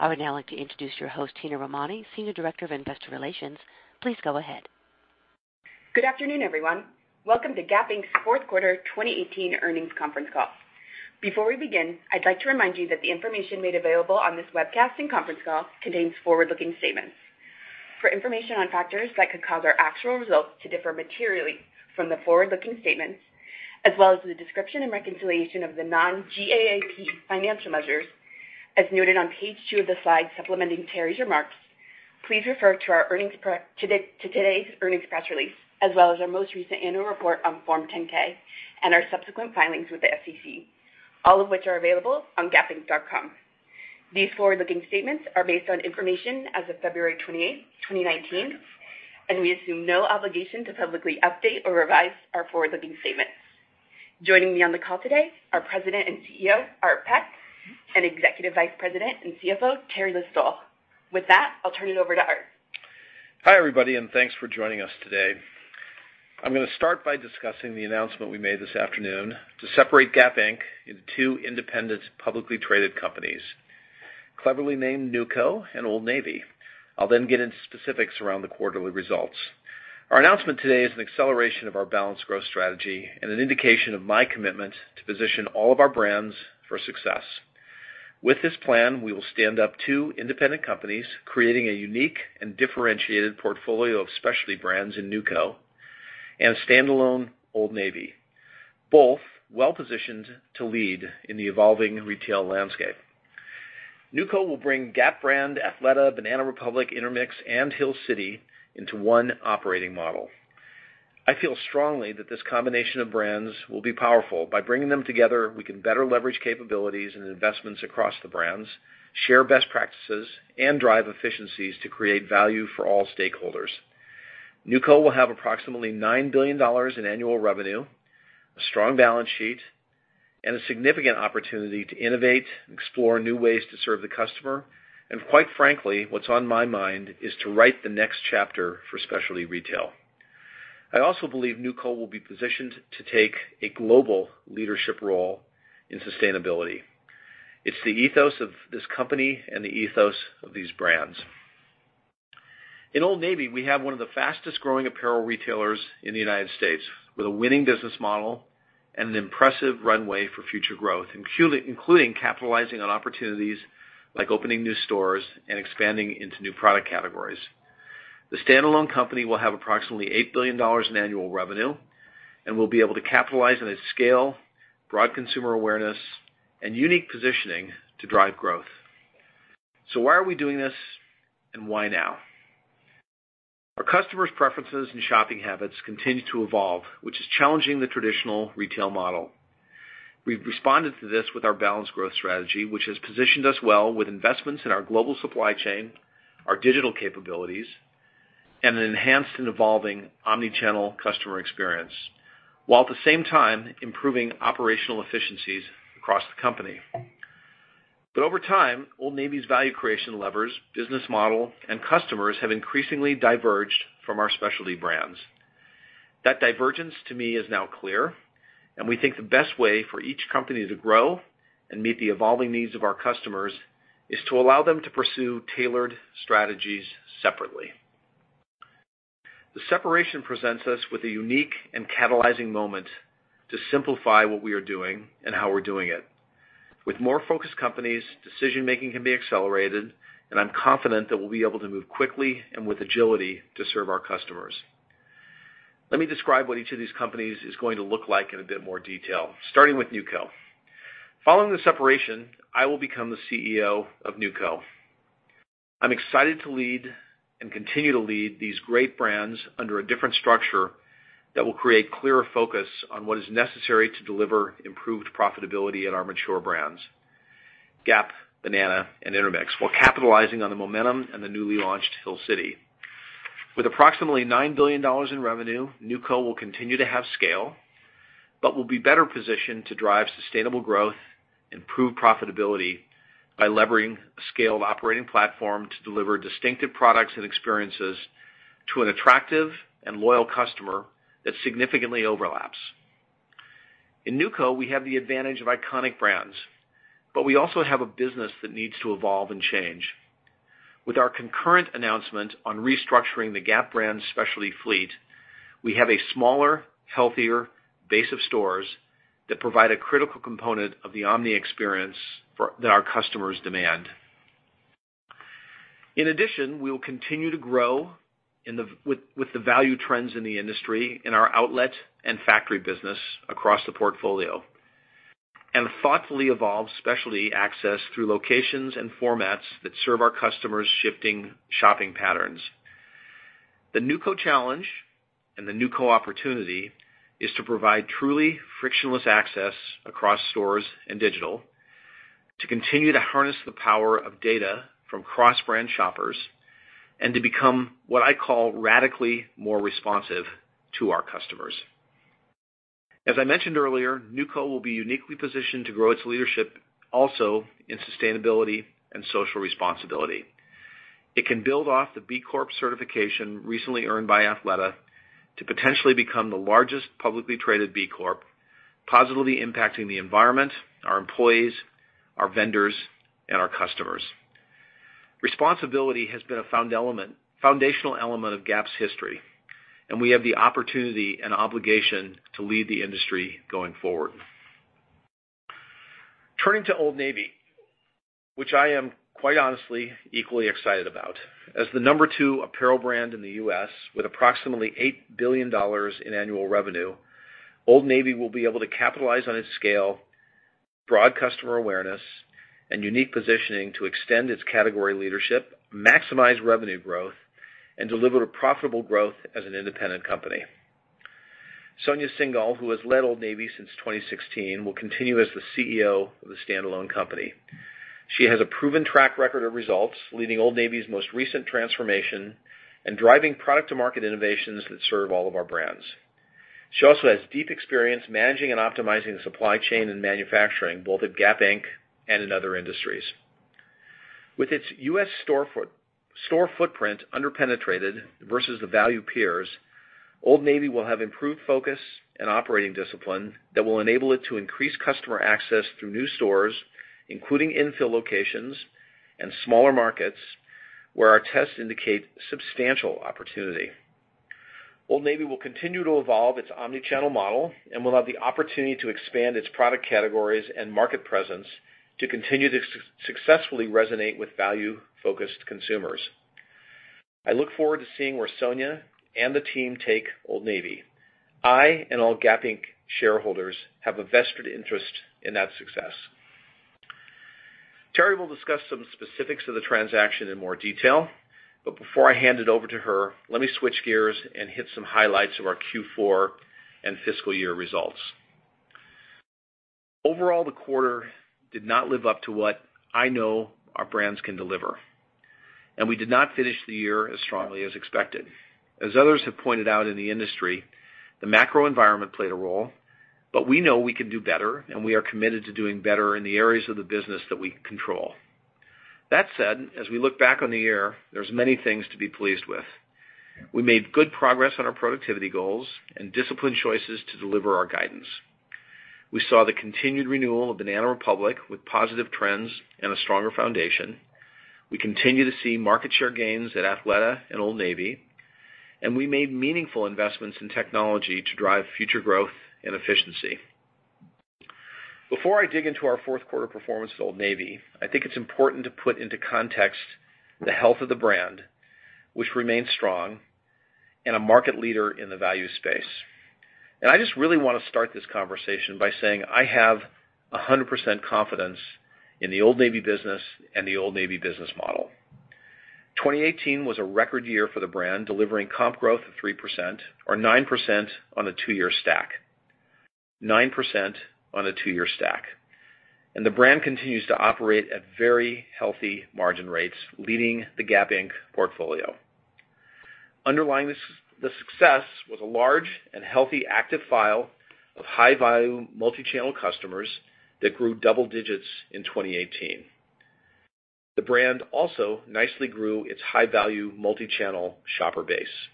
I would now like to introduce your host, Tina Romani, Senior Director of Investor Relations. Please go ahead. Good afternoon, everyone. Welcome to Gap Inc.'s fourth quarter 2018 earnings conference call. Before we begin, I'd like to remind you that the information made available on this webcast and conference call contains forward-looking statements. For information on factors that could cause our actual results to differ materially from the forward-looking statements, as well as the description and reconciliation of the non-GAAP financial measures, as noted on page two of the slides supplementing Teri's remarks, please refer to today's earnings press release, as well as our most recent annual report on Form 10-K and our subsequent filings with the SEC, all of which are available on gapinc.com. These forward-looking statements are based on information as of February 28th, 2019. We assume no obligation to publicly update or revise our forward-looking statements. Joining me on the call today, our President and CEO, Art Peck, and Executive Vice President and CFO, Teri List-Stoll. With that, I'll turn it over to Art. Hi, everybody, thanks for joining us today. I'm going to start by discussing the announcement we made this afternoon to separate Gap Inc. into two independent, publicly traded companies, cleverly named NewCo and Old Navy. I'll then get into specifics around the quarterly results. Our announcement today is an acceleration of our balanced growth strategy and an indication of my commitment to position all of our brands for success. With this plan, we will stand up two independent companies, creating a unique and differentiated portfolio of specialty brands in NewCo and standalone Old Navy, both well-positioned to lead in the evolving retail landscape. NewCo will bring Gap brand, Athleta, Banana Republic, Intermix, and Hill City into one operating model. I feel strongly that this combination of brands will be powerful. By bringing them together, we can better leverage capabilities and investments across the brands, share best practices, and drive efficiencies to create value for all stakeholders. NewCo will have approximately $9 billion in annual revenue, a strong balance sheet, and a significant opportunity to innovate and explore new ways to serve the customer. Quite frankly, what's on my mind is to write the next chapter for specialty retail. I also believe NewCo will be positioned to take a global leadership role in sustainability. It's the ethos of this company and the ethos of these brands. In Old Navy, we have one of the fastest-growing apparel retailers in the United States, with a winning business model and an impressive runway for future growth, including capitalizing on opportunities like opening new stores and expanding into new product categories. The standalone company will have approximately $8 billion in annual revenue and will be able to capitalize on its scale, broad consumer awareness, and unique positioning to drive growth. Why are we doing this, and why now? Our customers' preferences and shopping habits continue to evolve, which is challenging the traditional retail model. We've responded to this with our balanced growth strategy, which has positioned us well with investments in our global supply chain, our digital capabilities, and an enhanced and evolving omnichannel customer experience, while at the same time improving operational efficiencies across the company. Over time, Old Navy's value creation levers, business model, and customers have increasingly diverged from our specialty brands. That divergence to me is now clear, and we think the best way for each company to grow and meet the evolving needs of our customers is to allow them to pursue tailored strategies separately. The separation presents us with a unique and catalyzing moment to simplify what we are doing and how we're doing it. With more focused companies, decision-making can be accelerated, and I'm confident that we'll be able to move quickly and with agility to serve our customers. Let me describe what each of these companies is going to look like in a bit more detail, starting with NewCo. Following the separation, I will become the CEO of NewCo. I'm excited to lead and continue to lead these great brands under a different structure that will create clearer focus on what is necessary to deliver improved profitability at our mature brands, Gap, Banana, and Intermix, while capitalizing on the momentum and the newly launched Hill City. With approximately $9 billion in revenue, NewCo will continue to have scale, but will be better positioned to drive sustainable growth, improve profitability by leveraging a scaled operating platform to deliver distinctive products and experiences to an attractive and loyal customer that significantly overlaps. In NewCo, we have the advantage of iconic brands, but we also have a business that needs to evolve and change. With our concurrent announcement on restructuring the Gap brand specialty fleet, we have a smaller, healthier base of stores that provide a critical component of the omni-experience that our customers demand. In addition, we will continue to grow with the value trends in the industry in our outlet and factory business across the portfolio and thoughtfully evolve specialty access through locations and formats that serve our customers' shifting shopping patterns. The NewCo challenge and the NewCo opportunity is to provide truly frictionless access across stores and digital, to continue to harness the power of data from cross-brand shoppers, and to become what I call radically more responsive to our customers. As I mentioned earlier, NewCo will be uniquely positioned to grow its leadership also in sustainability and social responsibility. It can build off the B Corp certification recently earned by Athleta to potentially become the largest publicly traded B Corp, positively impacting the environment, our employees, our vendors, and our customers. Responsibility has been a foundational element of Gap's history. We have the opportunity and obligation to lead the industry going forward. Turning to Old Navy, which I am quite honestly equally excited about. As the number two apparel brand in the U.S. with approximately $8 billion in annual revenue, Old Navy will be able to capitalize on its scale, broad customer awareness, and unique positioning to extend its category leadership, maximize revenue growth, and deliver a profitable growth as an independent company. Sonia Syngal, who has led Old Navy since 2016, will continue as the CEO of the standalone company. She has a proven track record of results, leading Old Navy's most recent transformation and driving product-to-market innovations that serve all of our brands. She also has deep experience managing and optimizing the supply chain and manufacturing, both at Gap Inc. and in other industries. With its U.S. store footprint under-penetrated versus the value peers, Old Navy will have improved focus and operating discipline that will enable it to increase customer access through new stores, including infill locations and smaller markets where our tests indicate substantial opportunity. Old Navy will continue to evolve its omnichannel model and will have the opportunity to expand its product categories and market presence to continue to successfully resonate with value-focused consumers. I look forward to seeing where Sonia and the team take Old Navy. I and all Gap Inc. shareholders have a vested interest in that success. Teri will discuss some specifics of the transaction in more detail. Before I hand it over to her, let me switch gears and hit some highlights of our Q4 and fiscal year results. Overall, the quarter did not live up to what I know our brands can deliver. We did not finish the year as strongly as expected. As others have pointed out in the industry, the macro environment played a role. We know we can do better, and we are committed to doing better in the areas of the business that we control. That said, as we look back on the year, there's many things to be pleased with. We made good progress on our productivity goals and disciplined choices to deliver our guidance. We saw the continued renewal of Banana Republic with positive trends and a stronger foundation. We continue to see market share gains at Athleta and Old Navy. We made meaningful investments in technology to drive future growth and efficiency. Before I dig into our fourth quarter performance at Old Navy, I think it's important to put into context the health of the brand, which remains strong, and a market leader in the value space. I just really want to start this conversation by saying I have 100% confidence in the Old Navy business and the Old Navy business model. 2018 was a record year for the brand, delivering comp growth of 3% or 9% on a two-year stack. The brand continues to operate at very healthy margin rates, leading the Gap Inc. portfolio. Underlying the success was a large and healthy active file of high-value multi-channel customers that grew double digits in 2018. The brand also nicely grew its high-value multi-channel shopper base.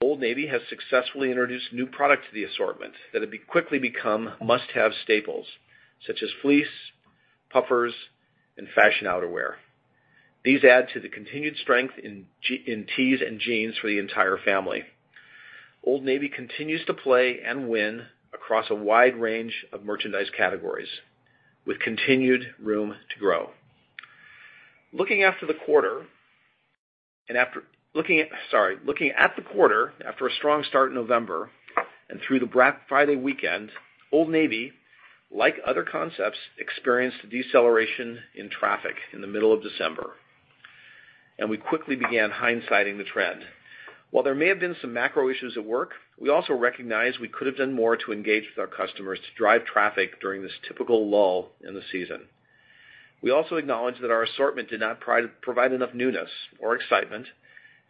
Old Navy has successfully introduced new product to the assortment that have quickly become must-have staples such as fleece, puffers, and fashion outerwear. These add to the continued strength in tees and jeans for the entire family. Old Navy continues to play and win across a wide range of merchandise categories with continued room to grow. Looking at the quarter after a strong start in November and through the Black Friday weekend, Old Navy, like other concepts, experienced a deceleration in traffic in the middle of December, and we quickly began hindsighting the trend. While there may have been some macro issues at work, we also recognize we could have done more to engage with our customers to drive traffic during this typical lull in the season. We also acknowledge that our assortment did not provide enough newness or excitement,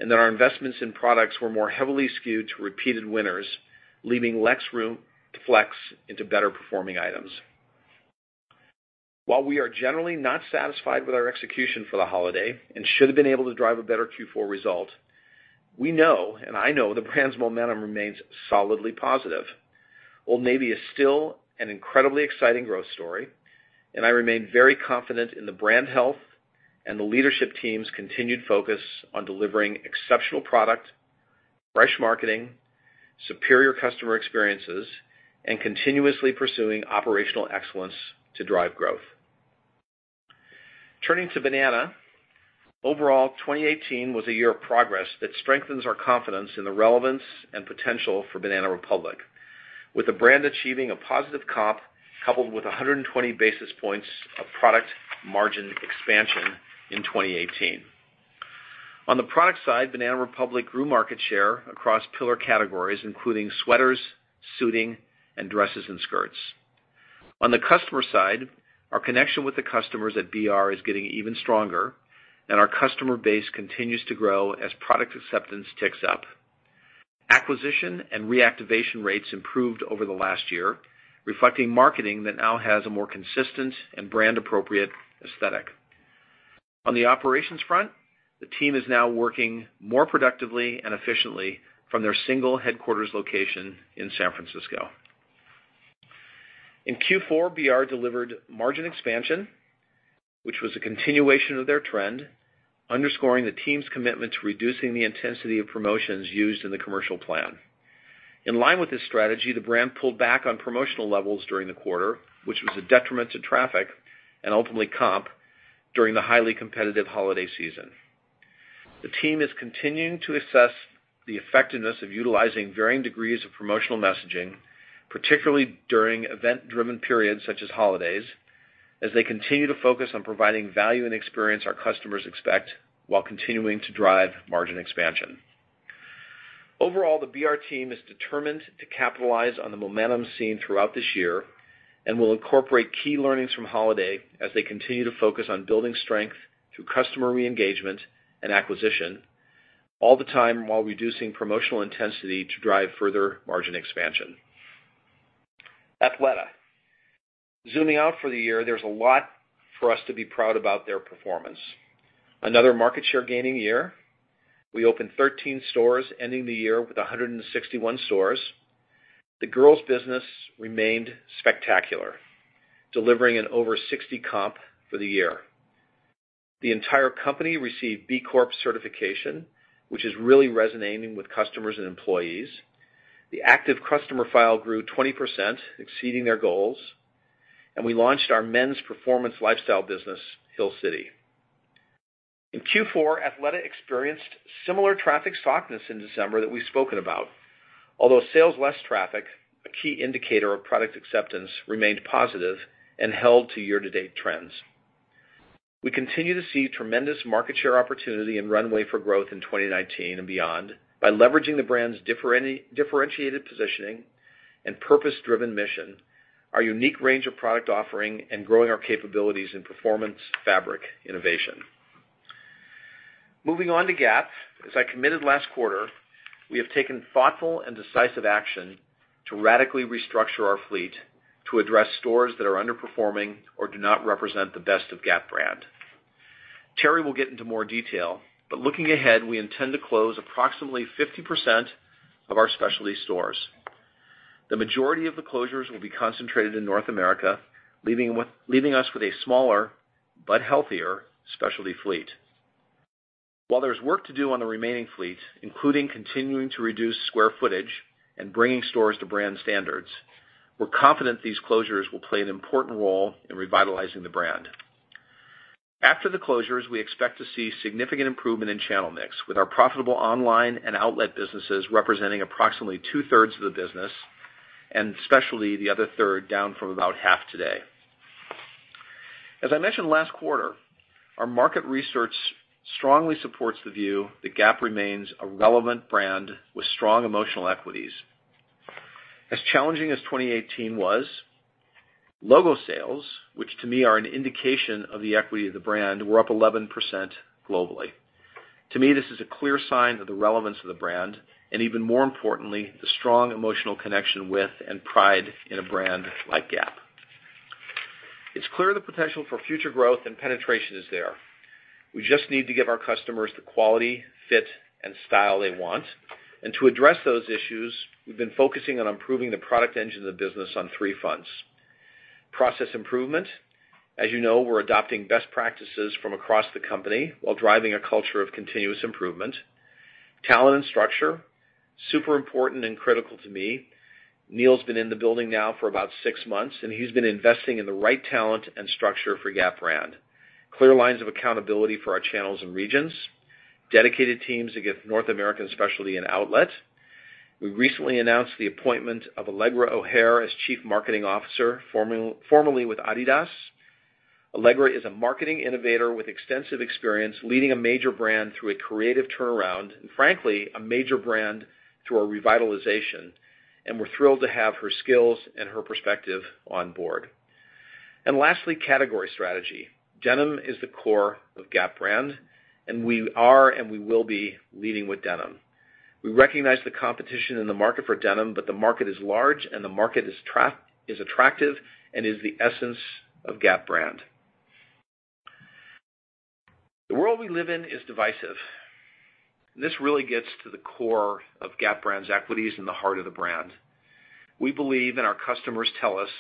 and that our investments in products were more heavily skewed to repeated winners, leaving less room to flex into better performing items. While we are generally not satisfied with our execution for the holiday and should have been able to drive a better Q4 result, we know and I know the brand's momentum remains solidly positive. Old Navy is still an incredibly exciting growth story, and I remain very confident in the brand health and the leadership team's continued focus on delivering exceptional product, fresh marketing, superior customer experiences, and continuously pursuing operational excellence to drive growth. Turning to Banana. Overall, 2018 was a year of progress that strengthens our confidence in the relevance and potential for Banana Republic, with the brand achieving a positive comp coupled with 120 basis points of product margin expansion in 2018. On the product side, Banana Republic grew market share across pillar categories including sweaters, suiting, and dresses and skirts. On the customer side, our connection with the customers at BR is getting even stronger, and our customer base continues to grow as product acceptance ticks up. Acquisition and reactivation rates improved over the last year, reflecting marketing that now has a more consistent and brand appropriate aesthetic. On the operations front, the team is now working more productively and efficiently from their single headquarters location in San Francisco. In Q4, BR delivered margin expansion, which was a continuation of their trend, underscoring the team's commitment to reducing the intensity of promotions used in the commercial plan. In line with this strategy, the brand pulled back on promotional levels during the quarter, which was a detriment to traffic and ultimately comp during the highly competitive holiday season. The team is continuing to assess the effectiveness of utilizing varying degrees of promotional messaging, particularly during event-driven periods such as holidays, as they continue to focus on providing value and experience our customers expect while continuing to drive margin expansion. Overall, the BR team is determined to capitalize on the momentum seen throughout this year and will incorporate key learnings from holiday as they continue to focus on building strength through customer re-engagement and acquisition, all the time while reducing promotional intensity to drive further margin expansion. Athleta. Zooming out for the year, there's a lot for us to be proud about their performance. Another market share gaining year. We opened 13 stores ending the year with 161 stores. The girls' business remained spectacular, delivering an over 60 comp for the year. The entire company received B Corp certification, which is really resonating with customers and employees. The active customer file grew 20%, exceeding their goals, and we launched our men's performance lifestyle business, Hill City. In Q4, Athleta experienced similar traffic softness in December that we've spoken about. Sales less traffic, a key indicator of product acceptance, remained positive and held to year-to-date trends. We continue to see tremendous market share opportunity and runway for growth in 2019 and beyond by leveraging the brand's differentiated positioning and purpose-driven mission, our unique range of product offering, and growing our capabilities in performance fabric innovation. Moving on to Gap. As I committed last quarter, we have taken thoughtful and decisive action to radically restructure our fleet to address stores that are underperforming or do not represent the best of Gap brand. Teri will get into more detail, but looking ahead, we intend to close approximately 50% of our specialty stores. The majority of the closures will be concentrated in North America, leaving us with a smaller but healthier specialty fleet. While there's work to do on the remaining fleet, including continuing to reduce square footage and bringing stores to brand standards, we're confident these closures will play an important role in revitalizing the brand. After the closures, we expect to see significant improvement in channel mix with our profitable online and outlet businesses representing approximately two-thirds of the business, and specialty the other third down from about half today. As I mentioned last quarter, our market research strongly supports the view that Gap remains a relevant brand with strong emotional equities. As challenging as 2018 was, logo sales, which to me are an indication of the equity of the brand, were up 11% globally. To me, this is a clear sign of the relevance of the brand, and even more importantly, the strong emotional connection with and pride in a brand like Gap. It's clear the potential for future growth and penetration is there. We just need to give our customers the quality, fit, and style they want. To address those issues, we've been focusing on improving the product engine of the business on three fronts. Process improvement. As you know, we're adopting best practices from across the company while driving a culture of continuous improvement. Talent and structure, super important and critical to me. Neil's been in the building now for about six months, and he's been investing in the right talent and structure for Gap brand. Clear lines of accountability for our channels and regions, dedicated teams to give North American specialty and outlet. We recently announced the appointment of Alegra O'Hare as chief marketing officer, formerly with Adidas. Alegra is a marketing innovator with extensive experience leading a major brand through a creative turnaround and frankly, a major brand through a revitalization, and we're thrilled to have her skills and her perspective on board. Lastly, category strategy. Denim is the core of Gap brand, and we are and we will be leading with denim. We recognize the competition in the market for denim, The market is large and the market is attractive and is the essence of Gap brand. The world we live in is divisive. This really gets to the core of Gap brand's equities and the heart of the brand. We believe and our customers tell us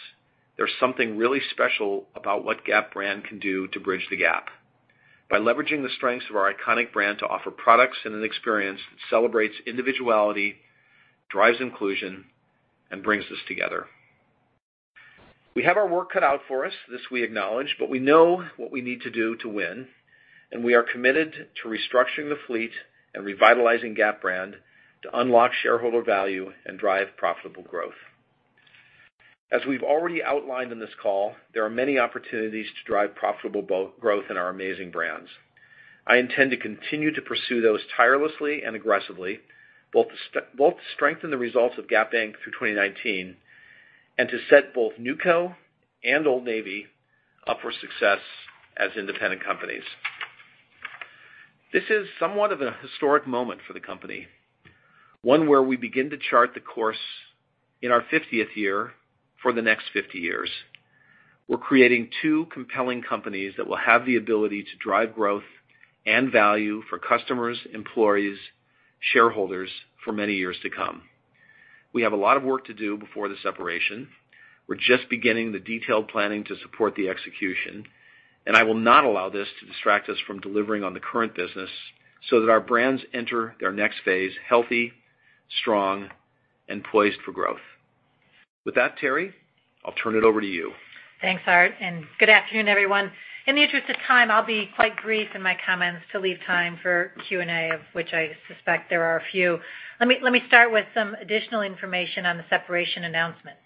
there's something really special about what Gap brand can do to bridge the gap. By leveraging the strengths of our iconic brand to offer products and an experience that celebrates individuality, drives inclusion, and brings us together. We have our work cut out for us, this we acknowledge, We know what we need to do to win, and we are committed to restructuring the fleet and revitalizing Gap brand to unlock shareholder value and drive profitable growth. As we've already outlined in this call, there are many opportunities to drive profitable growth in our amazing brands. I intend to continue to pursue those tirelessly and aggressively, both to strengthen the results of Gap Inc. through 2019 and to set both NewCo and Old Navy up for success as independent companies. This is somewhat of a historic moment for the company, one where we begin to chart the course in our 50th year for the next 50 years. We're creating two compelling companies that will have the ability to drive growth and value for customers, employees, shareholders, for many years to come. We have a lot of work to do before the separation. We're just beginning the detailed planning to support the execution, and I will not allow this to distract us from delivering on the current business so that our brands enter their next phase healthy, strong, and poised for growth. With that, Teri, I'll turn it over to you. Thanks, Art, and good afternoon, everyone. In the interest of time, I'll be quite brief in my comments to leave time for Q&A, of which I suspect there are a few. Let me start with some additional information on the separation announcement.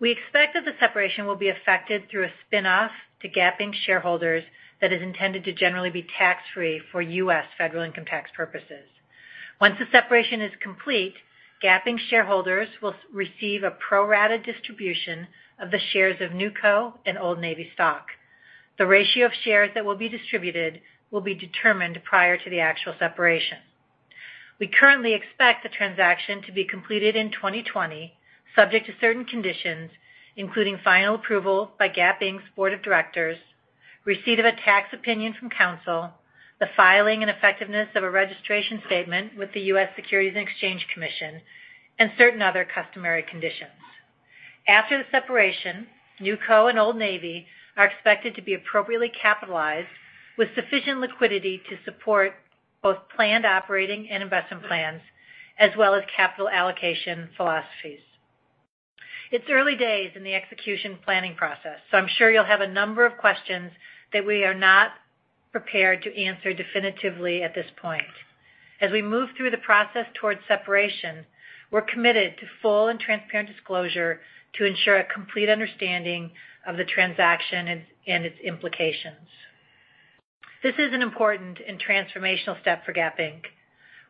We expect that the separation will be effected through a spin-off to Gap Inc. shareholders that is intended to generally be tax-free for U.S. federal income tax purposes. Once the separation is complete, Gap Inc. shareholders will receive a pro-rata distribution of the shares of NewCo and Old Navy stock. The ratio of shares that will be distributed will be determined prior to the actual separation. We currently expect the transaction to be completed in 2020, subject to certain conditions, including final approval by Gap Inc.'s board of directors, receipt of a tax opinion from counsel, the filing and effectiveness of a registration statement with the U.S. Securities and Exchange Commission, and certain other customary conditions. After the separation, NewCo and Old Navy are expected to be appropriately capitalized with sufficient liquidity to support both planned operating and investment plans, as well as capital allocation philosophies. I'm sure you'll have a number of questions that we are not prepared to answer definitively at this point. As we move through the process towards separation, we're committed to full and transparent disclosure to ensure a complete understanding of the transaction and its implications. This is an important and transformational step for Gap Inc.,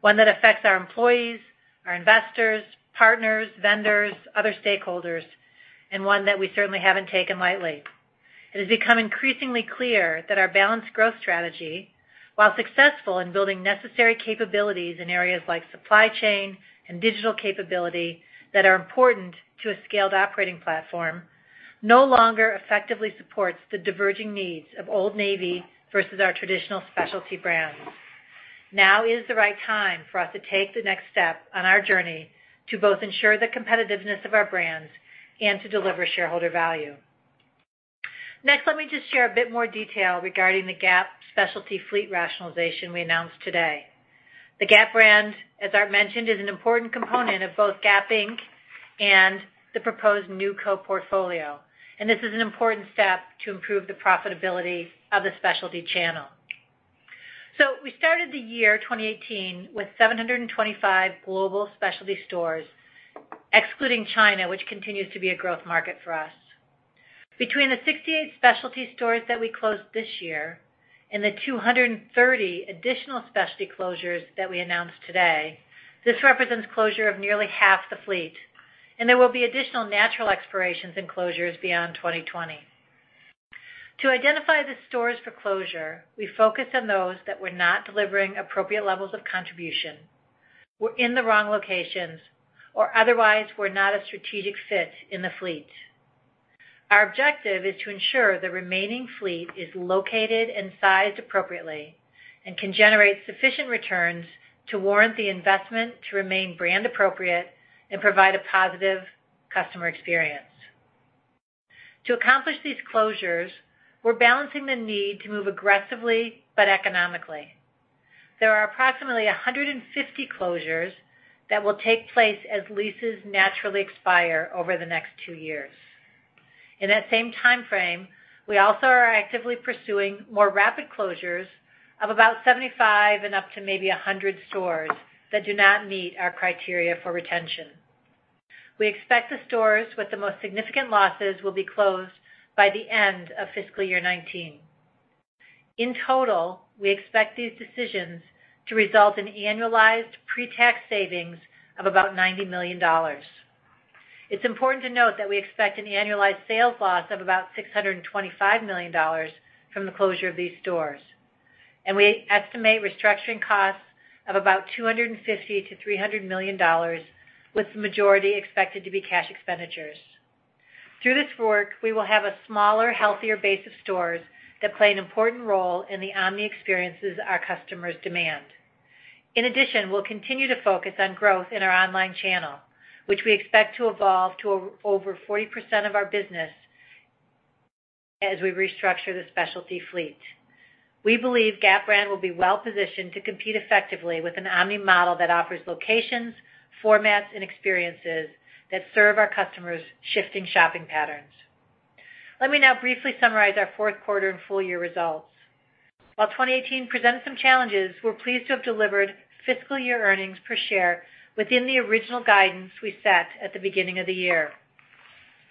one that affects our employees, our investors, partners, vendors, other stakeholders, and one that we certainly haven't taken lightly. It has become increasingly clear that our balanced growth strategy, while successful in building necessary capabilities in areas like supply chain and digital capability that are important to a scaled operating platform, no longer effectively supports the diverging needs of Old Navy versus our traditional specialty brands. Now is the right time for us to take the next step on our journey to both ensure the competitiveness of our brands and to deliver shareholder value. Next, let me just share a bit more detail regarding the Gap specialty fleet rationalization we announced today. The Gap brand, as Art mentioned, is an important component of both Gap Inc. The proposed NewCo portfolio, and this is an important step to improve the profitability of the specialty channel. We started the year 2018 with 725 global specialty stores, excluding China, which continues to be a growth market for us. Between the 68 specialty stores that we closed this year and the 230 additional specialty closures that we announced today, this represents closure of nearly half the fleet, and there will be additional natural expirations and closures beyond 2020. To identify the stores for closure, we focused on those that were not delivering appropriate levels of contribution, were in the wrong locations, or otherwise were not a strategic fit in the fleet. Our objective is to ensure the remaining fleet is located and sized appropriately and can generate sufficient returns to warrant the investment to remain brand appropriate and provide a positive customer experience. To accomplish these closures, we're balancing the need to move aggressively but economically. There are approximately 150 closures that will take place as leases naturally expire over the next two years. In that same time frame, we also are actively pursuing more rapid closures of about 75 and up to maybe 100 stores that do not meet our criteria for retention. We expect the stores with the most significant losses will be closed by the end of fiscal year 2019. In total, we expect these decisions to result in annualized pre-tax savings of about $90 million. It's important to note that we expect an annualized sales loss of about $625 million from the closure of these stores, and we estimate restructuring costs of about $250 million-$300 million, with the majority expected to be cash expenditures. Through this work, we will have a smaller, healthier base of stores that play an important role in the omni experiences our customers demand. In addition, we'll continue to focus on growth in our online channel, which we expect to evolve to over 40% of our business as we restructure the specialty fleet. We believe Gap brand will be well positioned to compete effectively with an omni model that offers locations, formats, and experiences that serve our customers' shifting shopping patterns. Let me now briefly summarize our fourth quarter and full-year results. While 2018 presented some challenges, we're pleased to have delivered fiscal year earnings per share within the original guidance we set at the beginning of the year.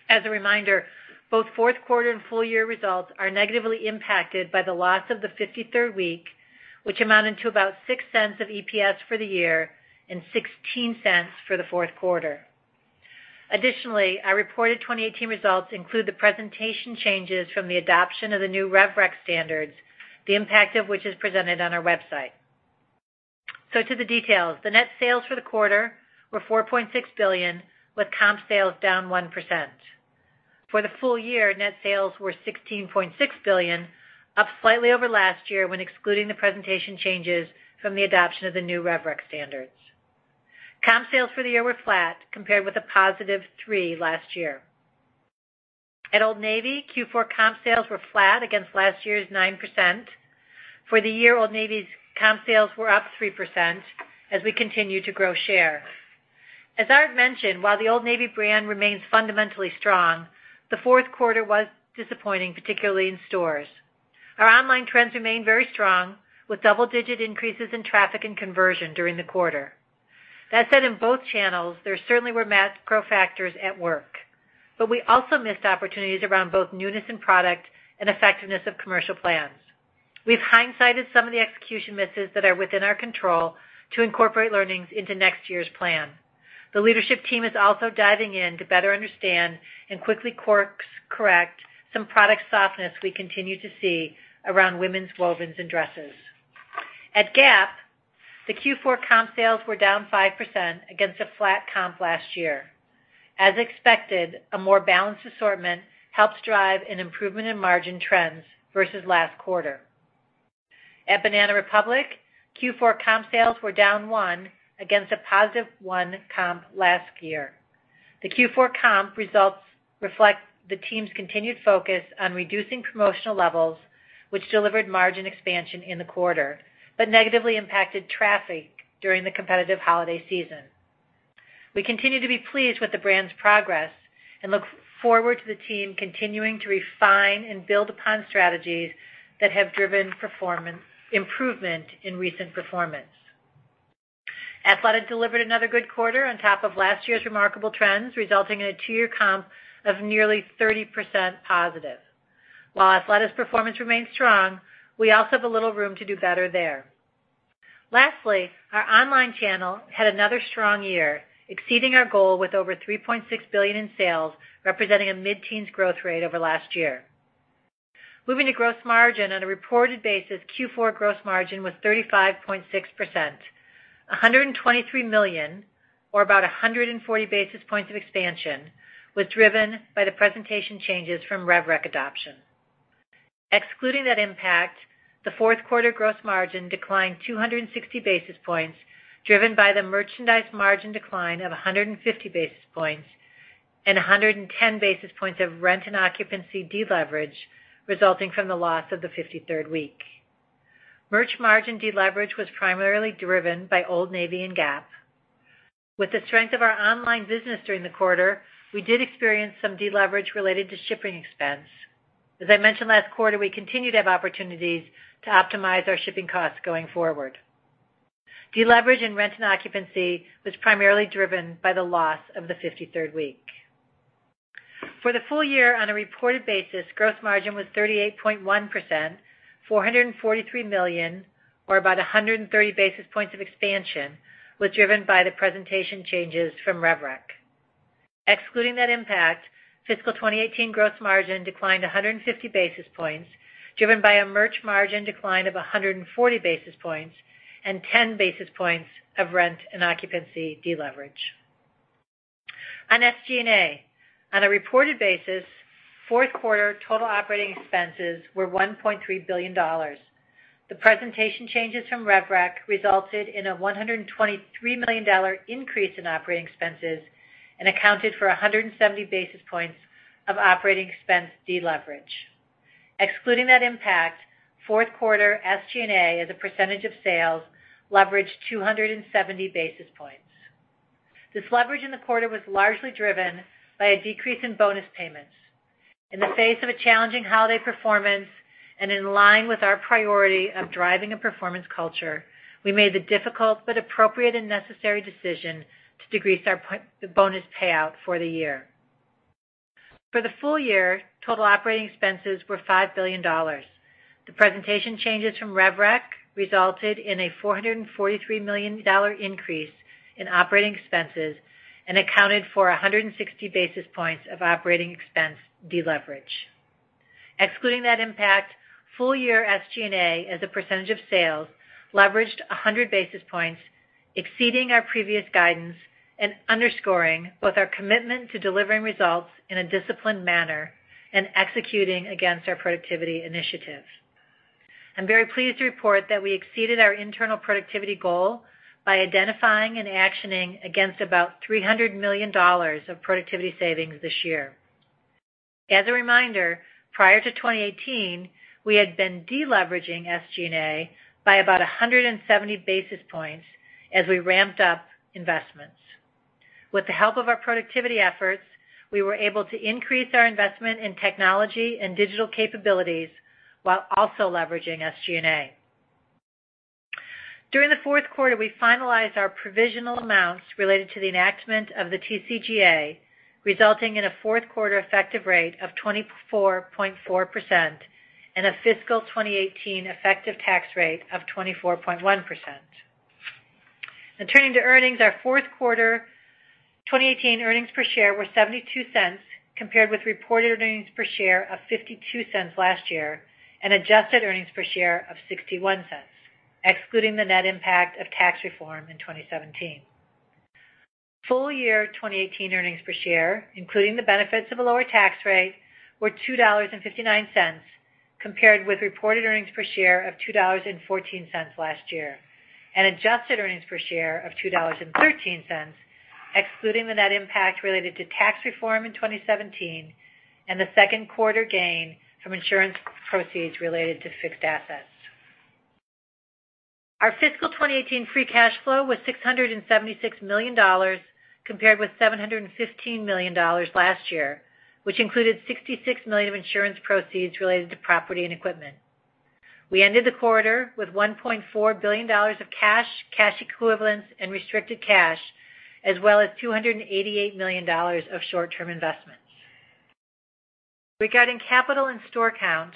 As a reminder, both fourth quarter and full-year results are negatively impacted by the loss of the 53rd week, which amounted to about $0.06 of EPS for the year and $0.16 for the fourth quarter. Additionally, our reported 2018 results include the presentation changes from the adoption of the new rev rec standards, the impact of which is presented on our website. To the details. The net sales for the quarter were $4.6 billion, with comp sales down 1%. For the full year, net sales were $16.6 billion, up slightly over last year when excluding the presentation changes from the adoption of the new rev rec standards. Comp sales for the year were flat compared with a positive 3% last year. At Old Navy, Q4 comp sales were flat against last year's 9%. For the year, Old Navy's comp sales were up 3% as we continue to grow share. As Art mentioned, while the Old Navy brand remains fundamentally strong, the fourth quarter was disappointing, particularly in stores. Our online trends remain very strong, with double-digit increases in traffic and conversion during the quarter. That said, in both channels, there certainly were macro factors at work, but we also missed opportunities around both newness in product and effectiveness of commercial plans. We've hindsight some of the execution misses that are within our control to incorporate learnings into next year's plan. The leadership team is also diving in to better understand and quickly course correct some product softness we continue to see around women's wovens and dresses. At Gap, the Q4 comp sales were down 5% against a flat comp last year. As expected, a more balanced assortment helps drive an improvement in margin trends versus last quarter. At Banana Republic, Q4 comp sales were down 1% against a positive 1% comp last year. The Q4 comp results reflect the team's continued focus on reducing promotional levels, which delivered margin expansion in the quarter but negatively impacted traffic during the competitive holiday season. We continue to be pleased with the brand's progress and look forward to the team continuing to refine and build upon strategies that have driven improvement in recent performance. Athleta delivered another good quarter on top of last year's remarkable trends, resulting in a two-year comp of nearly 30% positive. While Athleta's performance remains strong, we also have a little room to do better there. Lastly, our online channel had another strong year, exceeding our goal with over $3.6 billion in sales, representing a mid-teens growth rate over last year. Moving to gross margin. On a reported basis, Q4 gross margin was 35.6%. $123 million or about 140 basis points of expansion was driven by the presentation changes from rev rec adoption. Excluding that impact, the fourth quarter gross margin declined 260 basis points, driven by the merch margin decline of 150 basis points and 110 basis points of rent and occupancy deleverage resulting from the loss of the 53rd week. Merch margin deleverage was primarily driven by Old Navy and Gap. With the strength of our online business during the quarter, we did experience some deleverage related to shipping expense. As I mentioned last quarter, we continue to have opportunities to optimize our shipping costs going forward. Deleverage in rent and occupancy was primarily driven by the loss of the 53rd week. For the full year on a reported basis, gross margin was 38.1%, $443 million, or about 130 basis points of expansion was driven by the presentation changes from rev rec. Excluding that impact, fiscal 2018 gross margin declined 150 basis points, driven by a merch margin decline of 140 basis points and 10 basis points of rent and occupancy deleverage. On SG&A. On a reported basis, fourth quarter total operating expenses were $1.3 billion. The presentation changes from rev rec resulted in a $123 million increase in operating expenses and accounted for 170 basis points of operating expense deleverage. Excluding that impact, fourth quarter SG&A as a percentage of sales leveraged 270 basis points. This leverage in the quarter was largely driven by a decrease in bonus payments. In the face of a challenging holiday performance and in line with our priority of driving a performance culture, we made the difficult but appropriate and necessary decision to decrease our bonus payout for the year. For the full year, total operating expenses were $5 billion. The presentation changes from rev rec resulted in a $443 million increase in operating expenses and accounted for 160 basis points of operating expense deleverage. Excluding that impact, full year SG&A as a percentage of sales leveraged 100 basis points, exceeding our previous guidance and underscoring both our commitment to delivering results in a disciplined manner and executing against our productivity initiatives. I'm very pleased to report that we exceeded our internal productivity goal by identifying and actioning against about $300 million of productivity savings this year. As a reminder, prior to 2018, we had been deleveraging SG&A by about 170 basis points as we ramped up investments. With the help of our productivity efforts, we were able to increase our investment in technology and digital capabilities while also leveraging SG&A. During the fourth quarter, we finalized our provisional amounts related to the enactment of the TCJA, resulting in a fourth quarter effective rate of 24.4% and a fiscal 2018 effective tax rate of 24.1%. Turning to earnings, our fourth quarter 2018 earnings per share were $0.72 compared with reported earnings per share of $0.52 last year and adjusted earnings per share of $0.61, excluding the net impact of tax reform in 2017. Full year 2018 earnings per share, including the benefits of a lower tax rate, were $2.59, compared with reported earnings per share of $2.14 last year, and adjusted earnings per share of $2.13, excluding the net impact related to tax reform in 2017 and the second quarter gain from insurance proceeds related to fixed assets. Our fiscal 2018 free cash flow was $676 million, compared with $715 million last year, which included $66 million of insurance proceeds related to property and equipment. We ended the quarter with $1.4 billion of cash equivalents, and restricted cash, as well as $288 million of short-term investments. Regarding capital and store count,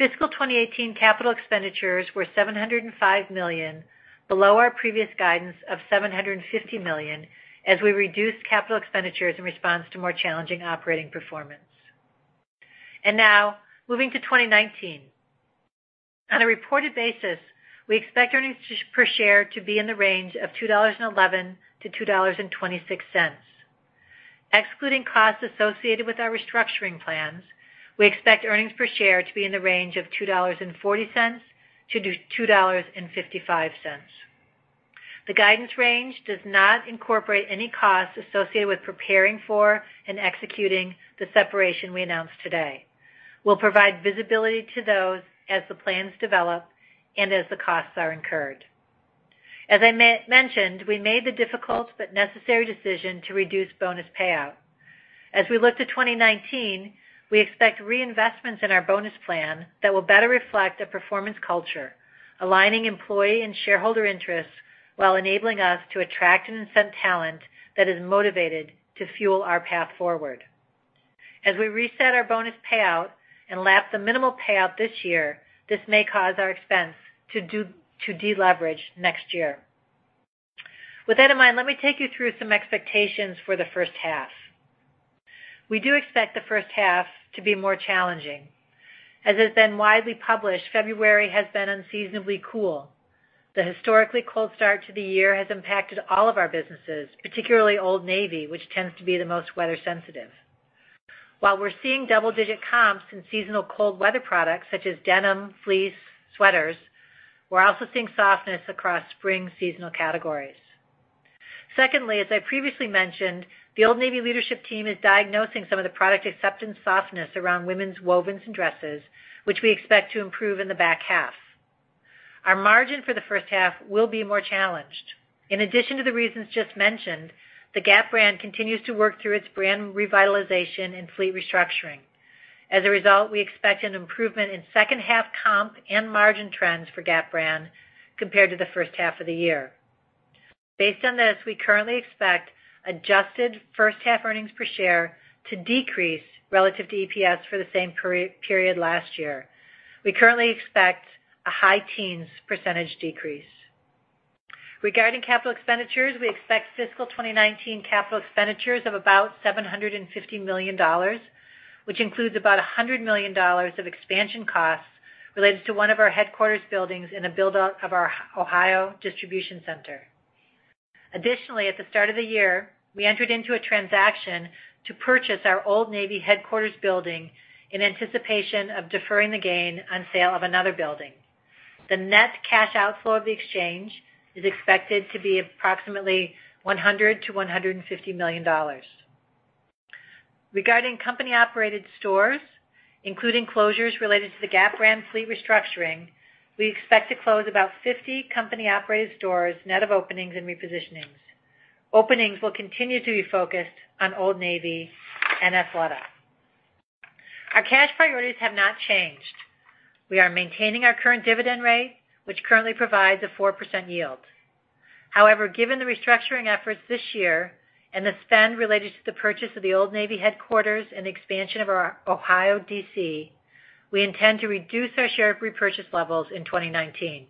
fiscal 2018 capital expenditures were $705 million, below our previous guidance of $750 million, as we reduced capital expenditures in response to more challenging operating performance. Now moving to 2019. On a reported basis, we expect earnings per share to be in the range of $2.11 to $2.26. Excluding costs associated with our restructuring plans, we expect earnings per share to be in the range of $2.40 to $2.55. The guidance range does not incorporate any costs associated with preparing for and executing the separation we announced today. We'll provide visibility to those as the plans develop and as the costs are incurred. As I mentioned, we made the difficult but necessary decision to reduce bonus payout. As we look to 2019, we expect reinvestments in our bonus plan that will better reflect a performance culture, aligning employee and shareholder interests while enabling us to attract and incent talent that is motivated to fuel our path forward. As we reset our bonus payout and lap the minimal payout this year, this may cause our expense to deleverage next year. With that in mind, let me take you through some expectations for the first half. We do expect the first half to be more challenging. As has been widely published, February has been unseasonably cool. The historically cold start to the year has impacted all of our businesses, particularly Old Navy, which tends to be the most weather sensitive. While we're seeing double-digit comps in seasonal cold weather products such as denim, fleece, sweaters, we're also seeing softness across spring seasonal categories. Secondly, as I previously mentioned, the Old Navy leadership team is diagnosing some of the product acceptance softness around women's wovens and dresses, which we expect to improve in the back half. Our margin for the first half will be more challenged. In addition to the reasons just mentioned, the Gap brand continues to work through its brand revitalization and fleet restructuring. As a result, we expect an improvement in second half comp and margin trends for Gap brand compared to the first half of the year. Based on this, we currently expect adjusted first half earnings per share to decrease relative to EPS for the same period last year. We currently expect a high teens % decrease. Regarding capital expenditures, we expect fiscal 2019 capital expenditures of about $750 million, which includes about $100 million of expansion costs related to one of our headquarters buildings in a buildup of our Ohio distribution center. Additionally, at the start of the year, we entered into a transaction to purchase our Old Navy headquarters building in anticipation of deferring the gain on sale of another building. The net cash outflow of the exchange is expected to be approximately $100 million-$150 million. Regarding company-operated stores, including closures related to the Gap brand fleet restructuring, we expect to close about 50 company-operated stores, net of openings and repositionings. Openings will continue to be focused on Old Navy and Athleta. Our cash priorities have not changed. We are maintaining our current dividend rate, which currently provides a 4% yield. Given the restructuring efforts this year and the spend related to the purchase of the Old Navy headquarters and expansion of our Ohio DC, we intend to reduce our share repurchase levels in 2019.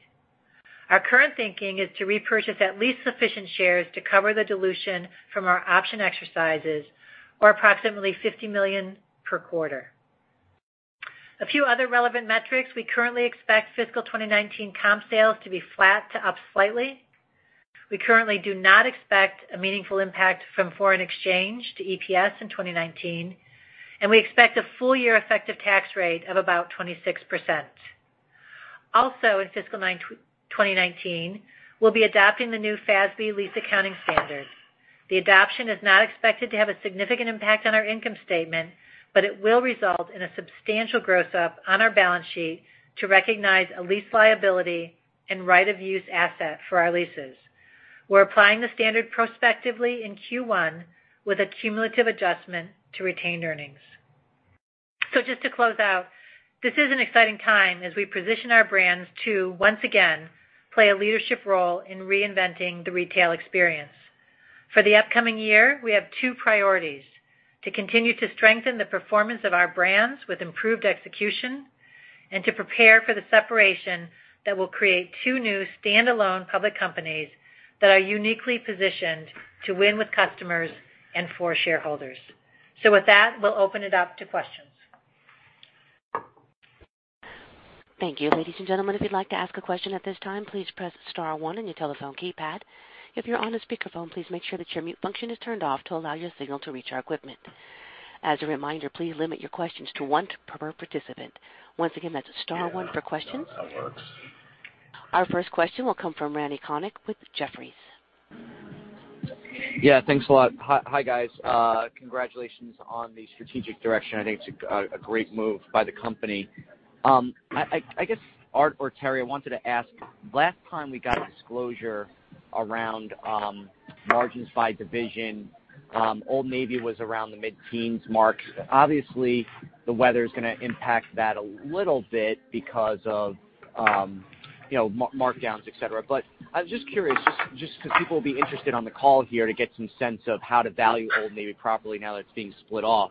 Our current thinking is to repurchase at least sufficient shares to cover the dilution from our option exercises or approximately $50 million per quarter. A few other relevant metrics. We currently expect fiscal 2019 comp sales to be flat to up slightly. We currently do not expect a meaningful impact from foreign exchange to EPS in 2019, We expect a full year effective tax rate of about 26%. In fiscal 2019, we'll be adopting the new FASB lease accounting standard. The adoption is not expected to have a significant impact on our income statement, It will result in a substantial gross up on our balance sheet to recognize a lease liability and right of use asset for our leases. We're applying the standard prospectively in Q1 with a cumulative adjustment to retained earnings. Just to close out, this is an exciting time as we position our brands to once again play a leadership role in reinventing the retail experience. For the upcoming year, we have two priorities, to continue to strengthen the performance of our brands with improved execution, and to prepare for the separation that will create two new standalone public companies that are uniquely positioned to win with customers and for shareholders. With that, we'll open it up to questions. Thank you. Ladies and gentlemen, if you'd like to ask a question at this time, please press *1 on your telephone keypad. If you're on a speakerphone, please make sure that your mute function is turned off to allow your signal to reach our equipment. As a reminder, please limit your questions to one per participant. Once again, that's *1 for questions. Yeah, no, that works. Our first question will come from Randal Konik with Jefferies. Yeah, thanks a lot. Hi, guys. Congratulations on the strategic direction. I think it's a great move by the company. I guess, Art or Teri, I wanted to ask, last time we got disclosure around margins by division, Old Navy was around the mid-teens mark. Obviously, the weather's going to impact that a little bit because of markdowns, et cetera. But I was just curious, just because people will be interested on the call here to get some sense of how to value Old Navy properly now that it's being split off.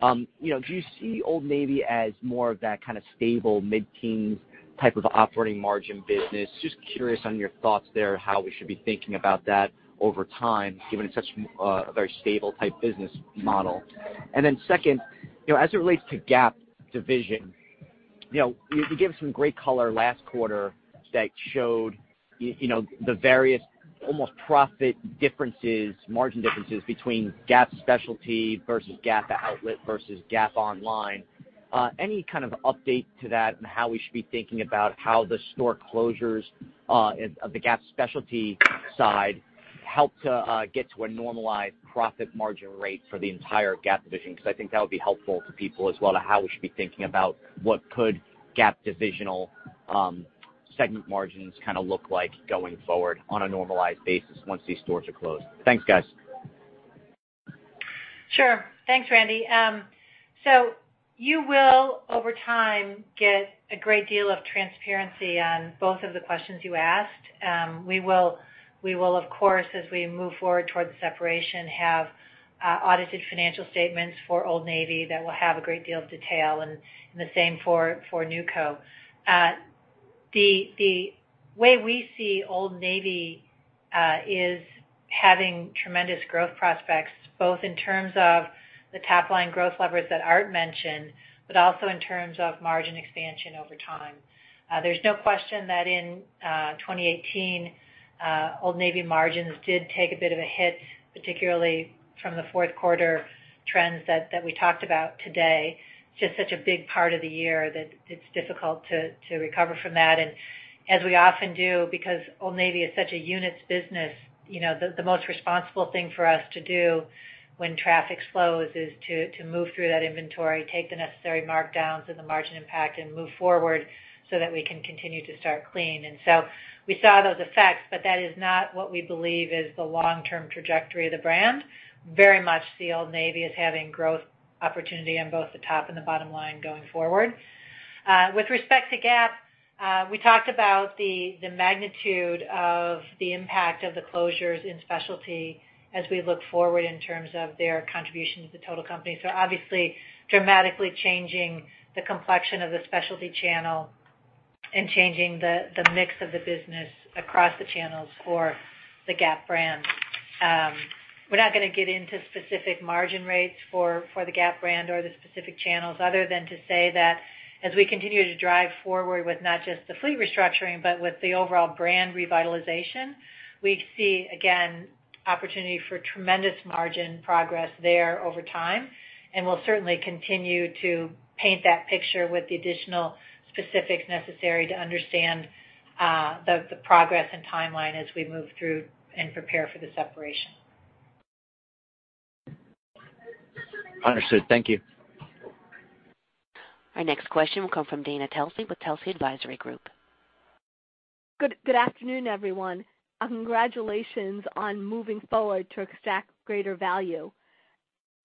Do you see Old Navy as more of that kind of stable mid-teens type of operating margin business? Just curious on your thoughts there, how we should be thinking about that over time, given it's such a very stable type business model. Second, as it relates to Gap division, you gave some great color last quarter that showed the various almost profit differences, margin differences between Gap specialty versus Gap outlet versus Gap online. Any kind of update to that and how we should be thinking about how the store closures of the Gap specialty side help to get to a normalized profit margin rate for the entire Gap division? Because I think that would be helpful to people as well, to how we should be thinking about what could Gap divisional segment margins look like going forward on a normalized basis once these stores are closed. Thanks, guys. Sure. Thanks, Randy. You will, over time, get a great deal of transparency on both of the questions you asked. We will, of course, as we move forward towards the separation, have audited financial statements for Old Navy that will have a great deal of detail, and the same for NewCo. The way we see Old Navy is having tremendous growth prospects, both in terms of the top-line growth levers that Art mentioned, but also in terms of margin expansion over time. There's no question that in 2018, Old Navy margins did take a bit of a hit, particularly from the fourth quarter trends that we talked about today. It's just such a big part of the year that it's difficult to recover from that. As we often do, because Old Navy is such a units business, the most responsible thing for us to do when traffic slows is to move through that inventory, take the necessary markdowns and the margin impact, and move forward so that we can continue to start clean. We saw those effects, but that is not what we believe is the long-term trajectory of the brand. Very much see Old Navy as having growth opportunity on both the top and the bottom line going forward. With respect to Gap, we talked about the magnitude of the impact of the closures in specialty as we look forward in terms of their contribution to the total company. Obviously, dramatically changing the complexion of the specialty channel and changing the mix of the business across the channels for the Gap brand. We're not going to get into specific margin rates for the Gap brand or the specific channels other than to say that as we continue to drive forward with not just the fleet restructuring, but with the overall brand revitalization, we see, again, opportunity for tremendous margin progress there over time. We'll certainly continue to paint that picture with the additional specifics necessary to understand the progress and timeline as we move through and prepare for the separation. Understood. Thank you. Our next question will come from Dana Telsey with Telsey Advisory Group. Good afternoon, everyone. Congratulations on moving forward to extract greater value.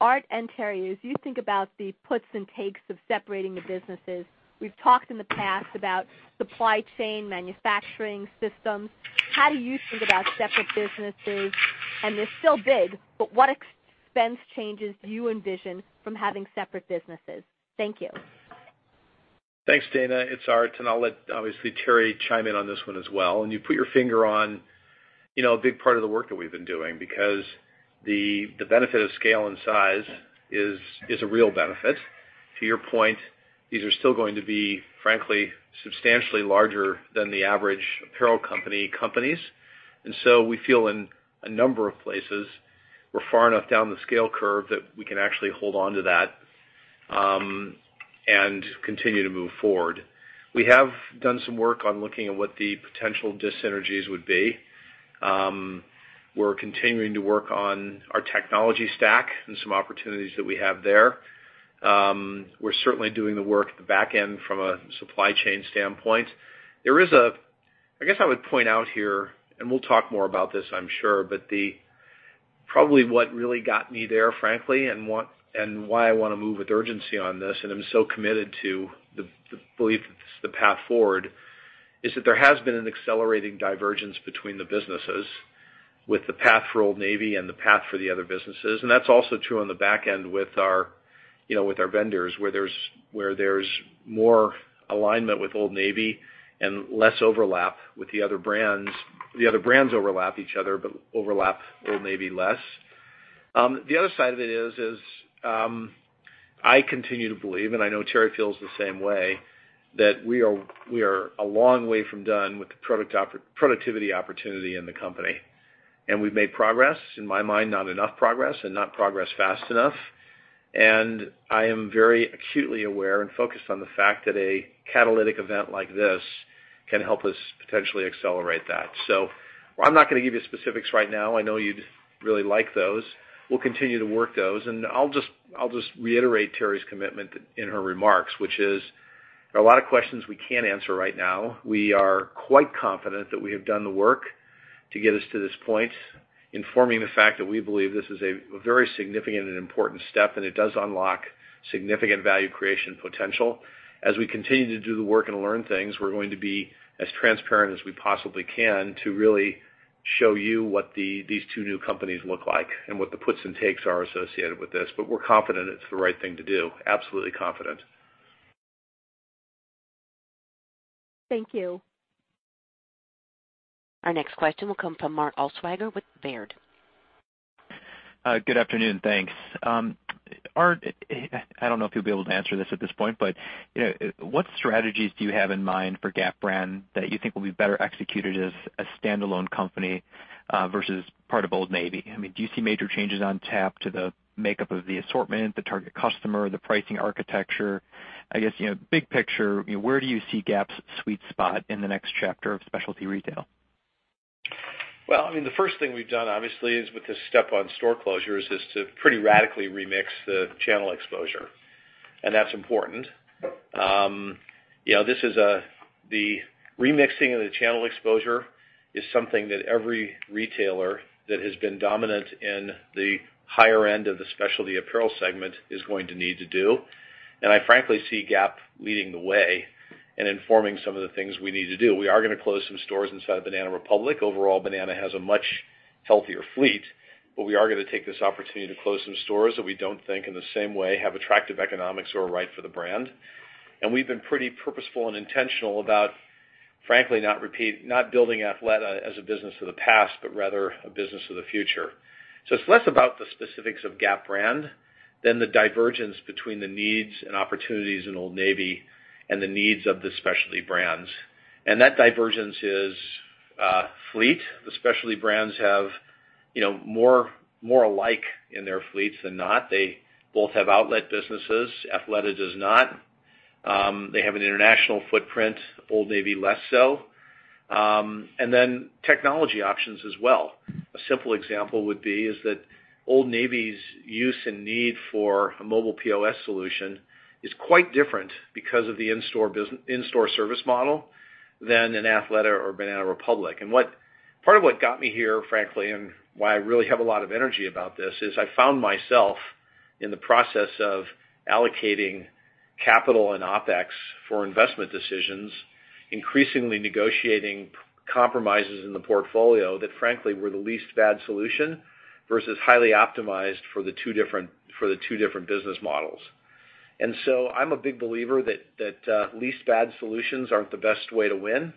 Art and Teri, as you think about the puts and takes of separating the businesses, we've talked in the past about supply chain manufacturing systems. How do you think about separate businesses, and they're still big, but what expense changes do you envision from having separate businesses? Thank you. Thanks, Dana. It's Art, and I'll let, obviously, Teri chime in on this one as well. You put your finger on a big part of the work that we've been doing because the benefit of scale and size is a real benefit. To your point, these are still going to be, frankly, substantially larger than the average apparel company. We feel in a number of places, we're far enough down the scale curve that we can actually hold on to that and continue to move forward. We have done some work on looking at what the potential dis-synergies would be. We're continuing to work on our technology stack and some opportunities that we have there. We're certainly doing the work at the back end from a supply chain standpoint. I guess I would point out here, and we'll talk more about this, I'm sure, but probably what really got me there, frankly, and why I want to move with urgency on this, and I'm so committed to the belief that this is the path forward. Is that there has been an accelerating divergence between the businesses, with the path for Old Navy and the path for the other businesses. That's also true on the back end with our vendors, where there's more alignment with Old Navy and less overlap with the other brands. The other brands overlap each other, but overlap Old Navy less. The other side of it is, I continue to believe, and I know Teri feels the same way, that we are a long way from done with the productivity opportunity in the company. We've made progress, in my mind, not enough progress and not progress fast enough. I am very acutely aware and focused on the fact that a catalytic event like this can help us potentially accelerate that. I'm not going to give you specifics right now. I know you'd really like those. We'll continue to work those. I'll just reiterate Teri's commitment in her remarks, which is, there are a lot of questions we can't answer right now. We are quite confident that we have done the work to get us to this point, informing the fact that we believe this is a very significant and important step, and it does unlock significant value creation potential. As we continue to do the work and learn things, we're going to be as transparent as we possibly can to really show you what these two new companies look like and what the puts and takes are associated with this. We're confident it's the right thing to do. Absolutely confident. Thank you. Our next question will come from Mark Altschwager with Baird. Good afternoon, thanks. Art, I don't know if you'll be able to answer this at this point, but what strategies do you have in mind for Gap brand that you think will be better executed as a standalone company versus part of Old Navy? Do you see major changes on tap to the makeup of the assortment, the target customer, the pricing architecture? I guess, big picture, where do you see Gap's sweet spot in the next chapter of specialty retail? Well, the first thing we've done, obviously, is with this step on store closures, is to pretty radically remix the channel exposure. That's important. The remixing of the channel exposure is something that every retailer that has been dominant in the higher end of the specialty apparel segment is going to need to do. I frankly see Gap leading the way in informing some of the things we need to do. We are going to close some stores inside Banana Republic. Overall, Banana has a much healthier fleet, but we are going to take this opportunity to close some stores that we don't think in the same way have attractive economics or are right for the brand. We've been pretty purposeful and intentional about, frankly, not building Athleta as a business of the past, but rather a business of the future. It's less about the specifics of Gap brand than the divergence between the needs and opportunities in Old Navy and the needs of the specialty brands. That divergence is, fleet. The specialty brands have more alike in their fleets than not. They both have outlet businesses. Athleta does not. They have an international footprint, Old Navy less so. Then technology options as well. A simple example would be is that Old Navy's use and need for a mobile POS solution is quite different because of the in-store service model than an Athleta or Banana Republic. Part of what got me here, frankly, and why I really have a lot of energy about this is I found myself in the process of allocating capital and OpEx for investment decisions, increasingly negotiating compromises in the portfolio that frankly were the least bad solution versus highly optimized for the two different business models. I'm a big believer that least bad solutions aren't the best way to win.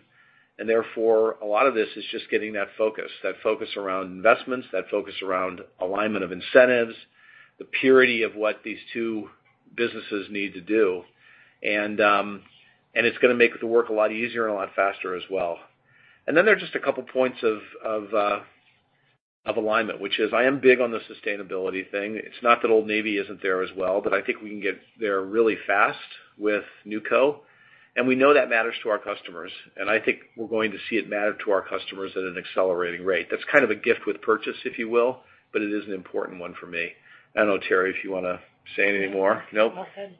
Therefore, a lot of this is just getting that focus, that focus around investments, that focus around alignment of incentives, the purity of what these two businesses need to do. It's going to make the work a lot easier and a lot faster as well. Then there are just a couple points of alignment, which is I am big on the sustainability thing. It's not that Old Navy isn't there as well, but I think we can get there really fast with NewCo, and we know that matters to our customers. I think we're going to see it matter to our customers at an accelerating rate. That's kind of a gift with purchase, if you will, but it is an important one for me. I don't know, Teri, if you want to say anything more. No? All said.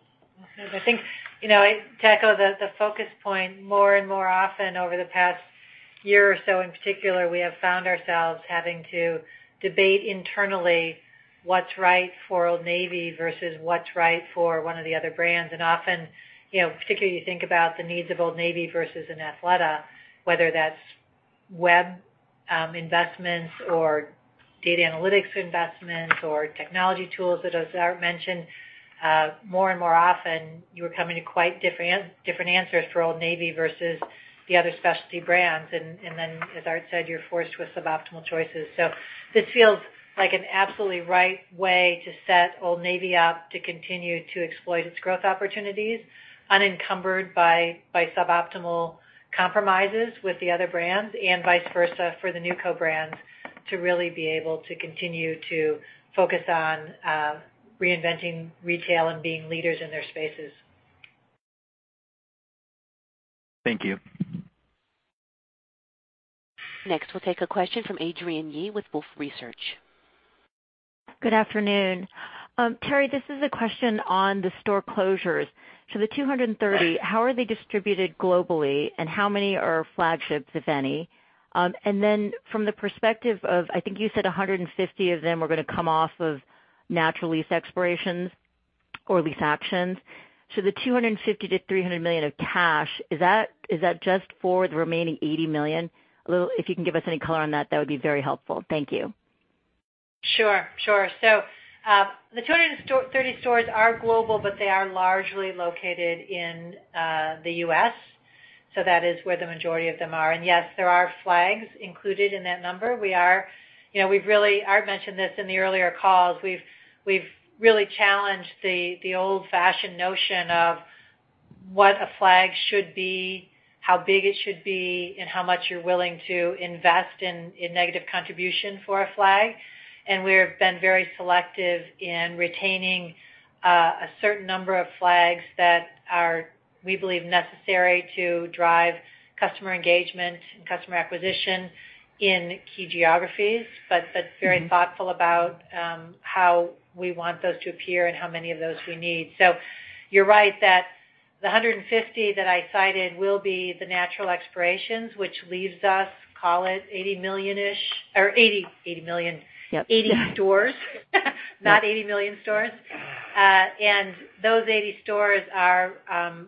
I think, to echo the focus point, more and more often over the past year or so, in particular, we have found ourselves having to debate internally what's right for Old Navy versus what's right for one of the other brands. Often, particularly you think about the needs of Old Navy versus an Athleta, whether that's web investments or data analytics investments or technology tools that as Art mentioned, more and more often, you are coming to quite different answers for Old Navy versus the other specialty brands. Then, as Art said, you're forced with suboptimal choices. This feels like an absolutely right way to set Old Navy up to continue to exploit its growth opportunities unencumbered by suboptimal compromises with the other brands and vice versa for the NewCo brands to really be able to continue to focus on reinventing retail and being leaders in their spaces. Thank you. Next, we'll take a question from Adrienne Yih with Wolfe Research. Good afternoon. Teri, this is a question on the store closures. The 230, how are they distributed globally, and how many are flagships, if any? Then from the perspective of, I think you said 150 of them are going to come off of natural lease expirations or lease actions. The $250 million-$300 million of cash, is that just for the remaining $80 million? If you can give us any color on that would be very helpful. Thank you. Sure. The 230 stores are global, but they are largely located in the U.S., that is where the majority of them are. Yes, there are flags included in that number. Art mentioned this in the earlier calls. We've really challenged the old-fashioned notion of what a flag should be, how big it should be, and how much you're willing to invest in negative contribution for a flag. We have been very selective in retaining a certain number of flags that are, we believe, necessary to drive customer engagement and customer acquisition in key geographies, but very thoughtful about how we want those to appear and how many of those we need. You're right that the 150 that I cited will be the natural expirations, which leaves us, call it 80 million-ish, or 80 stores not 80 million stores. Those 80 stores are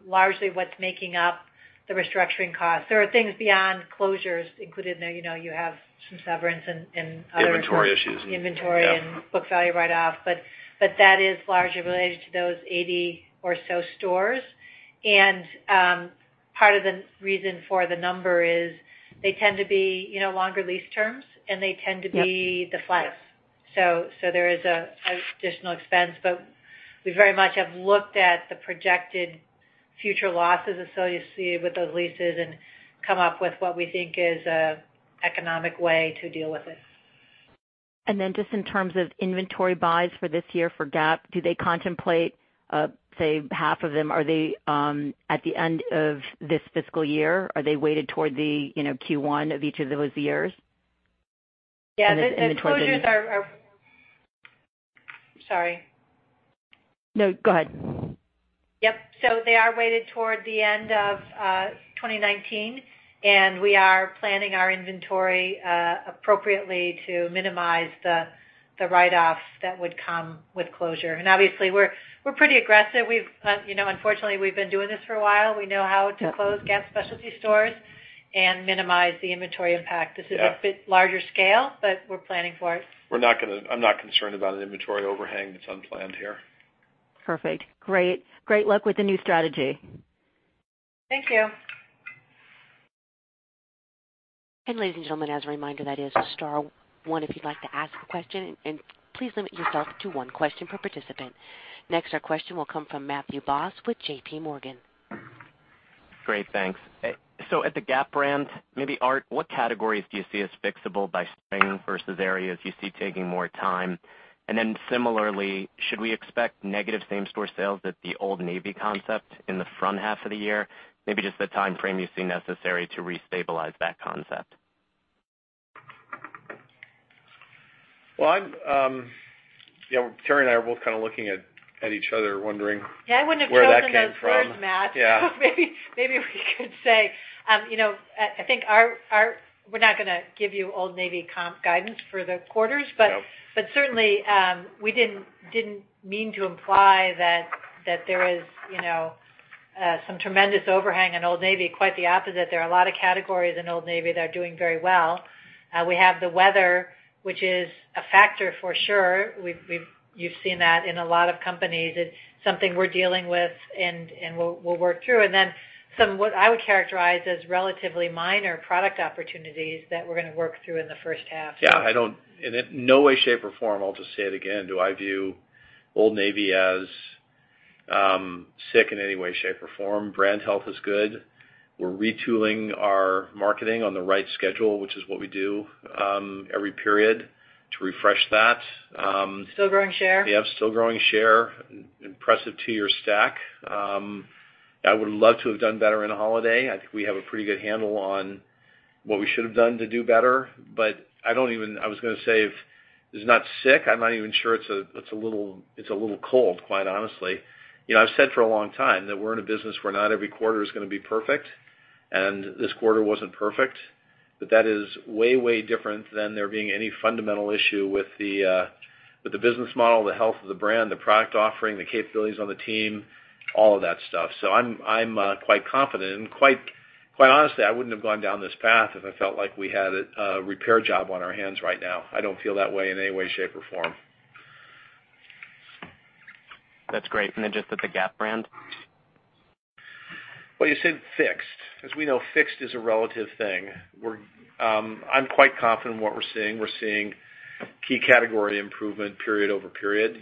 largely what's making up the restructuring costs. There are things beyond closures included in there. You have some severance. Inventory issues. That is largely related to those 80 or so stores. Part of the reason for the number is they tend to be longer lease terms, and they tend to be the flags. There is an additional expense, but we very much have looked at the projected future losses associated with those leases and come up with what we think is an economic way to deal with it. Just in terms of inventory buys for this year for Gap, do they contemplate, say, half of them? Are they at the end of this fiscal year? Are they weighted toward the Q1 of each of those years? Yeah. The closures are Sorry. No, go ahead. Yep. They are weighted toward the end of 2019, and we are planning our inventory appropriately to minimize the write-offs that would come with closure. Obviously, we're pretty aggressive. Unfortunately, we've been doing this for a while. We know how to close Gap specialty stores and minimize the inventory impact. Yeah. This is a bit larger scale. We're planning for it. I'm not concerned about an inventory overhang that's unplanned here. Perfect. Great. Great luck with the new strategy. Thank you. Ladies and gentlemen, as a reminder, that is star one if you'd like to ask a question. Please limit yourself to one question per participant. Our question will come from Matthew Boss with JPMorgan. Great. Thanks. At the Gap brand, maybe Art, what categories do you see as fixable by spring versus areas you see taking more time? Similarly, should we expect negative same-store sales at the Old Navy concept in the front half of the year? Maybe just the timeframe you see necessary to re-stabilize that concept. Teri and I are both looking at each other, wondering where that came from. Yeah, I wouldn't have chosen those words, Matt. Yeah. Maybe we could say, I think we're not going to give you Old Navy comp guidance for the quarters. Nope. Certainly, we didn't mean to imply that there is some tremendous overhang in Old Navy. Quite the opposite. There are a lot of categories in Old Navy that are doing very well. We have the weather, which is a factor for sure. You've seen that in a lot of companies. It's something we're dealing with, and we'll work through. Then some, what I would characterize as relatively minor product opportunities that we're going to work through in the first half. Yeah. In no way, shape, or form, I'll just say it again, do I view Old Navy as sick in any way, shape, or form. Brand health is good. We're retooling our marketing on the right schedule, which is what we do every period to refresh that. Still growing share. Yep. Still growing share. Impressive tier stack. I would love to have done better in a holiday. I think we have a pretty good handle on what we should have done to do better, but I was going to say it's not sick. I'm not even sure it's a little cold, quite honestly. I've said for a long time that we're in a business where not every quarter is going to be perfect, and this quarter wasn't perfect. That is way different than there being any fundamental issue with the business model, the health of the brand, the product offering, the capabilities on the team, all of that stuff. I'm quite confident. Quite honestly, I wouldn't have gone down this path if I felt like we had a repair job on our hands right now. I don't feel that way in any way, shape, or form. That's great. Then just at the Gap brand. You said fixed. As we know, fixed is a relative thing. I'm quite confident in what we're seeing. We're seeing key category improvement period over period.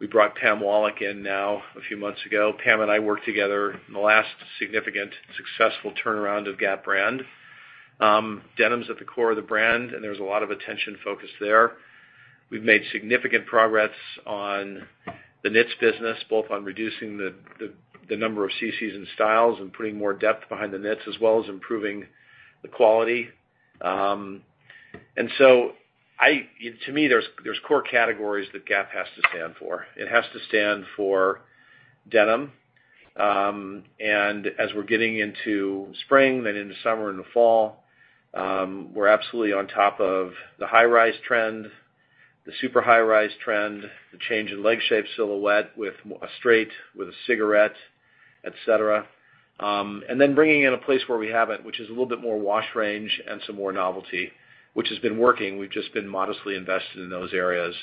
We brought Pam Wallack in now a few months ago. Pam and I worked together on the last significant successful turnaround of Gap brand. Denim's at the core of the brand, and there's a lot of attention focused there. We've made significant progress on the knits business, both on reducing the number of CCs and styles and putting more depth behind the knits, as well as improving the quality. To me, there's core categories that Gap has to stand for. It has to stand for denim. As we're getting into spring, then into summer and the fall, we're absolutely on top of the high-rise trend, the super high-rise trend, the change in leg shape silhouette with a straight, with a cigarette, et cetera. Then bringing in a place where we haven't, which is a little bit more wash range and some more novelty, which has been working. We've just been modestly invested in those areas.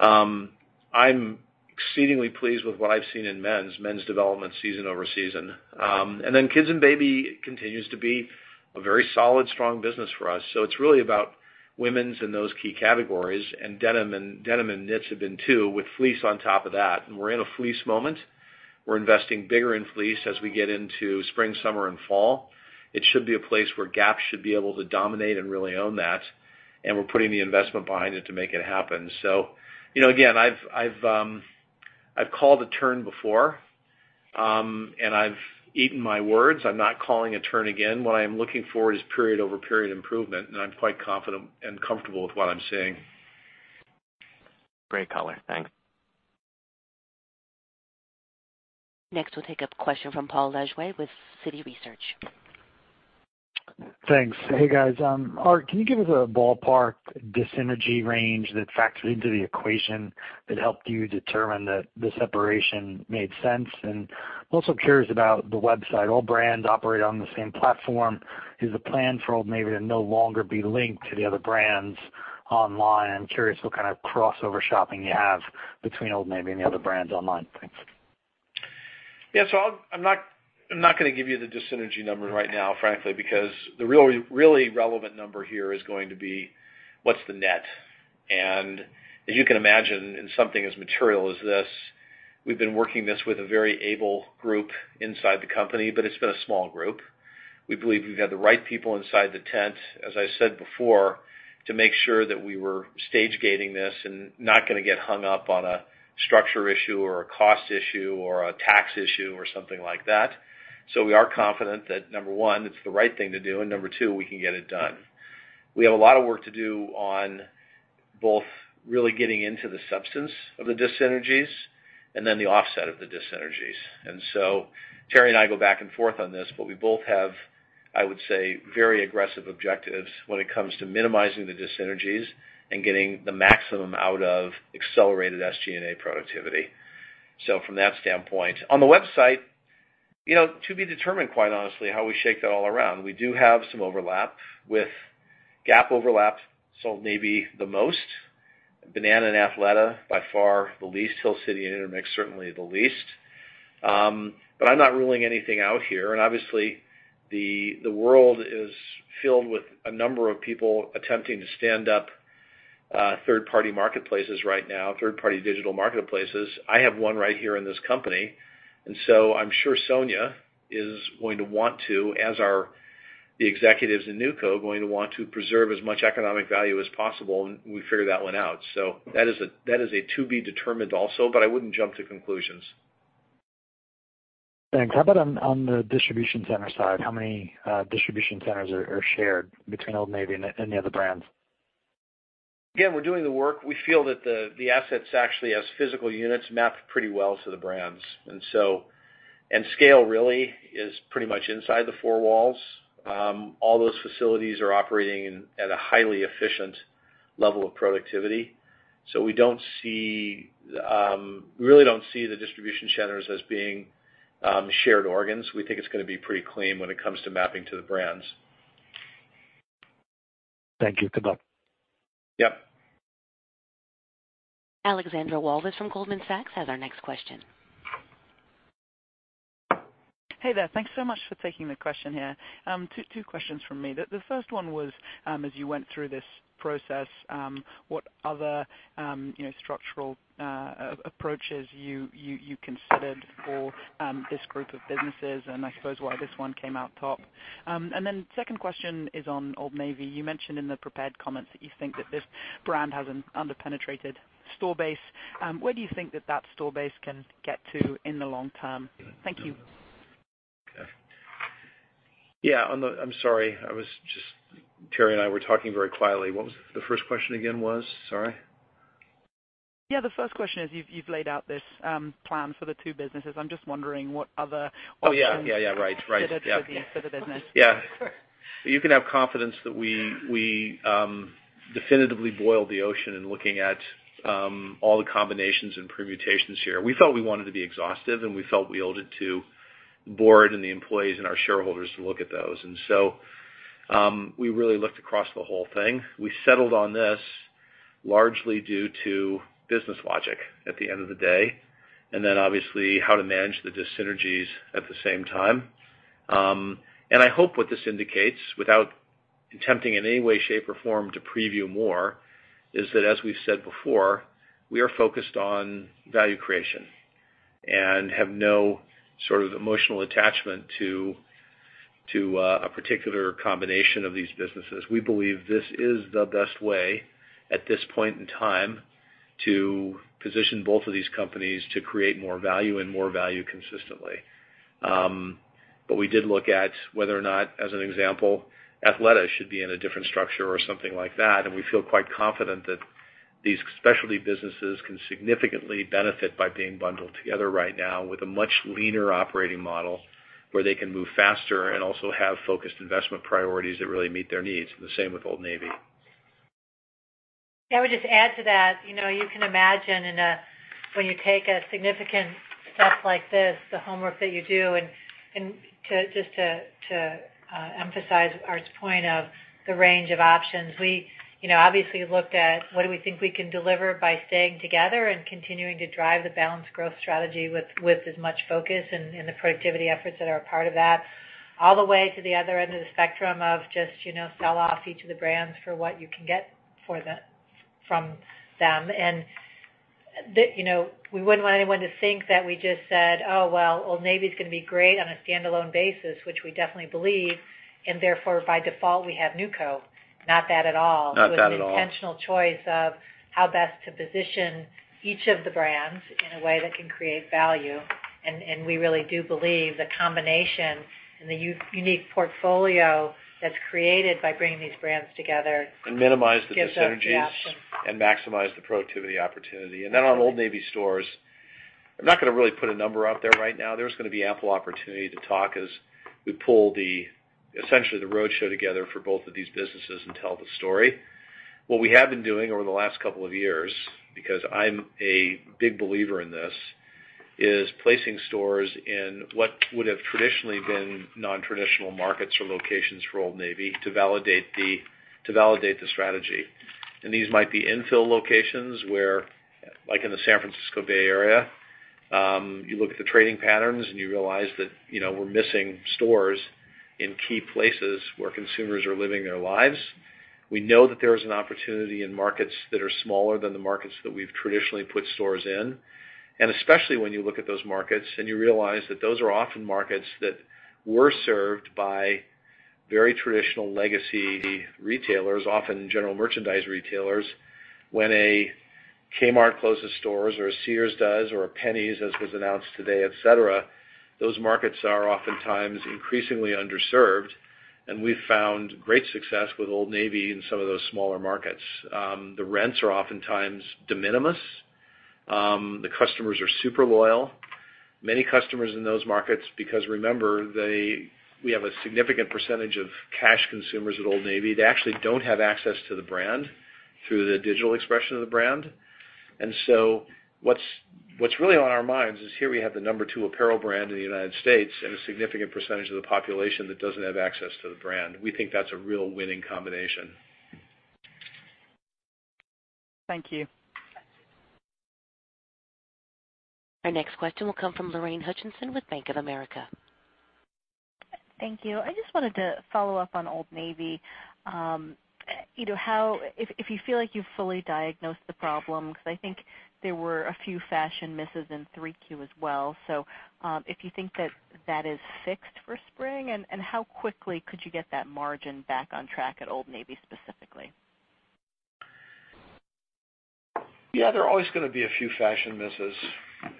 I'm exceedingly pleased with what I've seen in men's development season over season. Then kids and baby continues to be a very solid, strong business for us. It's really about women's in those key categories, and denim and knits have been too, with fleece on top of that. We're in a fleece moment. We're investing bigger in fleece as we get into spring, summer, and fall. It should be a place where Gap should be able to dominate and really own that, and we're putting the investment behind it to make it happen. Again, I've called a turn before, and I've eaten my words. I'm not calling a turn again. What I am looking for is period-over-period improvement, and I'm quite confident and comfortable with what I'm seeing. Great color. Thanks. Next, we'll take a question from Paul Lejuez with Citi Research. Thanks. Hey, guys. Art, can you give us a ballpark dysenergy range that factored into the equation that helped you determine that the separation made sense? I'm also curious about the website. All brands operate on the same platform. Is the plan for Old Navy to no longer be linked to the other brands online? I'm curious what kind of crossover shopping you have between Old Navy and the other brands online. Thanks. Yeah. I'm not going to give you the dysenergy numbers right now, frankly, because the really relevant number here is going to be what's the net. As you can imagine, in something as material as this, we've been working this with a very able group inside the company, but it's been a small group. We believe we've had the right people inside the tent, as I said before, to make sure that we were stage-gating this and not going to get hung up on a structure issue or a cost issue or a tax issue or something like that. We are confident that, number 1, it's the right thing to do, and number 2, we can get it done. We have a lot of work to do on both really getting into the substance of the dysenergies and then the offset of the dysenergies. Teri and I go back and forth on this, but we both have, I would say, very aggressive objectives when it comes to minimizing the dysenergies and getting the maximum out of accelerated SG&A productivity. From that standpoint. On the website, to be determined, quite honestly, how we shake that all around. We do have some overlap. With Gap overlap, Old Navy the most. Banana and Athleta, by far the least. Hill City and Intermix certainly the least. I'm not ruling anything out here. Obviously, the world is filled with a number of people attempting to stand up third-party marketplaces right now, third-party digital marketplaces. I have one right here in this company. I'm sure Sonia is going to want to, as are the executives in NewCo, going to want to preserve as much economic value as possible. We figure that one out. That is a to be determined also, but I wouldn't jump to conclusions. Thanks. How about on the distribution center side? How many distribution centers are shared between Old Navy and the other brands? Again, we're doing the work. We feel that the assets actually, as physical units, map pretty well to the brands. Scale really is pretty much inside the four walls. All those facilities are operating at a highly efficient level of productivity. We really don't see the distribution centers as being shared organs. We think it's going to be pretty clean when it comes to mapping to the brands. Thank you. Goodbye. Yep. Alexandra Walvis from Goldman Sachs has our next question. Hey there. Thanks so much for taking the question here. Two questions from me. The first one was, as you went through this process, what other structural approaches you considered for this group of businesses, and I suppose why this one came out top. Second question is on Old Navy. You mentioned in the prepared comments that you think that this brand has an under-penetrated store base. Where do you think that that store base can get to in the long term? Thank you. Yeah. I'm sorry. Teri and I were talking very quietly. What the first question again was? Sorry. Yeah, the first question is you've laid out this plan for the two businesses. I'm just wondering what other options- Oh, yeah. Right considered for the business. Yeah. You can have confidence that we definitively boiled the ocean in looking at all the combinations and permutations here. We felt we wanted to be exhaustive, and we felt we owed it to the board and the employees and our shareholders to look at those. We really looked across the whole thing. We settled on this largely due to business logic at the end of the day, and then obviously how to manage the dysenergies at the same time. I hope what this indicates, without attempting in any way, shape, or form to preview more, is that, as we've said before, we are focused on value creation and have no sort of emotional attachment to a particular combination of these businesses. We believe this is the best way, at this point in time, to position both of these companies to create more value and more value consistently. We did look at whether or not, as an example, Athleta should be in a different structure or something like that. We feel quite confident that these specialty businesses can significantly benefit by being bundled together right now with a much leaner operating model, where they can move faster and also have focused investment priorities that really meet their needs. The same with Old Navy. Yeah. I would just add to that, you can imagine when you take a significant step like this, the homework that you do, and just to emphasize Art's point of the range of options. We obviously looked at what do we think we can deliver by staying together and continuing to drive the balanced growth strategy with as much focus and the productivity efforts that are a part of that, all the way to the other end of the spectrum of just sell off each of the brands for what you can get from them. We wouldn't want anyone to think that we just said, "Oh, well, Old Navy's gonna be great on a standalone basis," which we definitely believe, and therefore, by default, we have NewCo. Not that at all. Not that at all. It was an intentional choice of how best to position each of the brands in a way that can create value. We really do believe the combination and the unique portfolio that's created by bringing these brands together. Minimize the synergies. Gives us the option Maximize the productivity opportunity. On Old Navy stores, I'm not gonna really put a number out there right now. There's gonna be ample opportunity to talk as we pull essentially the roadshow together for both of these businesses and tell the story. What we have been doing over the last couple of years, because I'm a big believer in this, is placing stores in what would've traditionally been non-traditional markets or locations for Old Navy to validate the strategy. These might be infill locations where, like in the San Francisco Bay Area, you look at the trading patterns and you realize that we're missing stores in key places where consumers are living their lives. We know that there is an opportunity in markets that are smaller than the markets that we've traditionally put stores in. Especially when you look at those markets and you realize that those are often markets that were served by very traditional legacy retailers, often general merchandise retailers. When a Kmart closes stores or a Sears does, or a JCPenney, as was announced today, et cetera, those markets are oftentimes increasingly underserved. We've found great success with Old Navy in some of those smaller markets. The rents are oftentimes de minimis. The customers are super loyal. Many customers in those markets, because remember, we have a significant percentage of cash consumers at Old Navy. They actually don't have access to the brand through the digital expression of the brand. What's really on our minds is here we have the number two apparel brand in the United States and a significant percentage of the population that doesn't have access to the brand. We think that's a real winning combination. Thank you. Our next question will come from Lorraine Hutchinson with Bank of America. Thank you. I just wanted to follow up on Old Navy. If you feel like you've fully diagnosed the problem, because I think there were a few fashion misses in 3Q as well. If you think that that is fixed for spring, how quickly could you get that margin back on track at Old Navy specifically? Yeah, there are always gonna be a few fashion misses.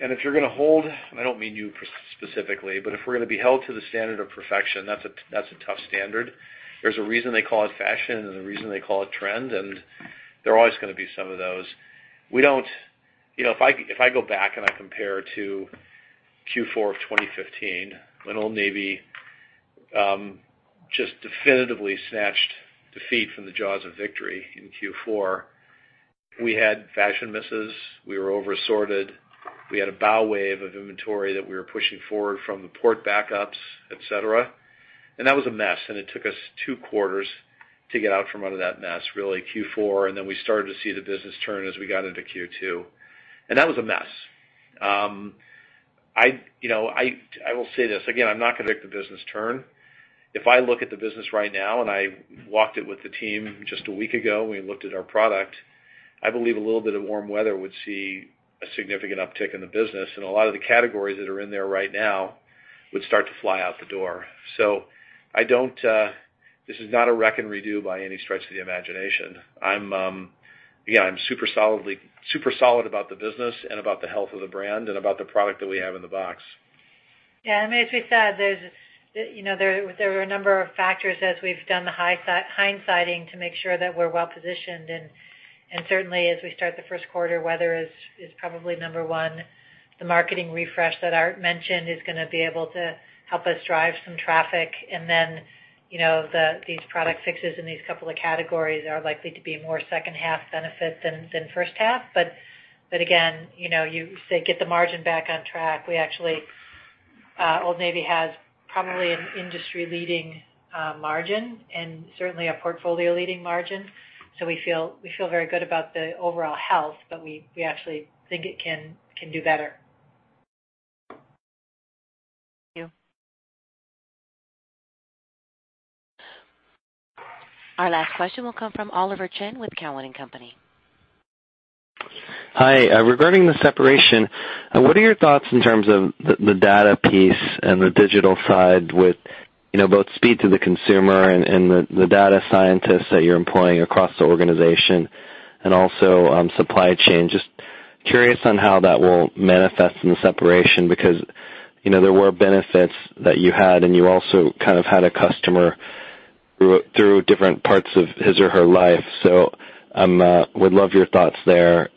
If you're gonna hold, I don't mean you specifically, but if we're gonna be held to the standard of perfection, that's a tough standard. There's a reason they call it fashion, and there's a reason they call it trend, and there are always gonna be some of those. If I go back and I compare to Q4 of 2015, when Old Navy just definitively snatched defeat from the jaws of victory in Q4, we had fashion misses. We were over-assorted. We had a bow wave of inventory that we were pushing forward from the port backups, et cetera. That was a mess, and it took us two quarters to get out from under that mess, really, Q4, and then we started to see the business turn as we got into Q2. That was a mess. I will say this. Again, I'm not gonna predict the business turn. If I look at the business right now, and I walked it with the team just a week ago, and we looked at our product, I believe a little bit of warm weather would see a significant uptick in the business. A lot of the categories that are in there right now would start to fly out the door. This is not a wreck and redo by any stretch of the imagination. Again, I'm super solid about the business and about the health of the brand and about the product that we have in the box. Yeah, as we said, there were a number of factors as we've done the hindsighting to make sure that we're well-positioned. Certainly, as we start the first quarter, weather is probably number one. The marketing refresh that Art mentioned is gonna be able to help us drive some traffic. Then, these product fixes in these couple of categories are likely to be more second half benefit than first half. Again, you say get the margin back on track. Old Navy has probably an industry-leading margin and certainly a portfolio-leading margin. We feel very good about the overall health, but we actually think it can do better. Thank you. Our last question will come from Oliver Chen with Cowen and Company. Hi. Regarding the separation, what are your thoughts in terms of the data piece and the digital side with both speed to the consumer and the data scientists that you're employing across the organization and also supply chain, just curious on how that will manifest in the separation, because there were benefits that you had, and you also kind of had a customer through different parts of his or her life. Would love your thoughts there.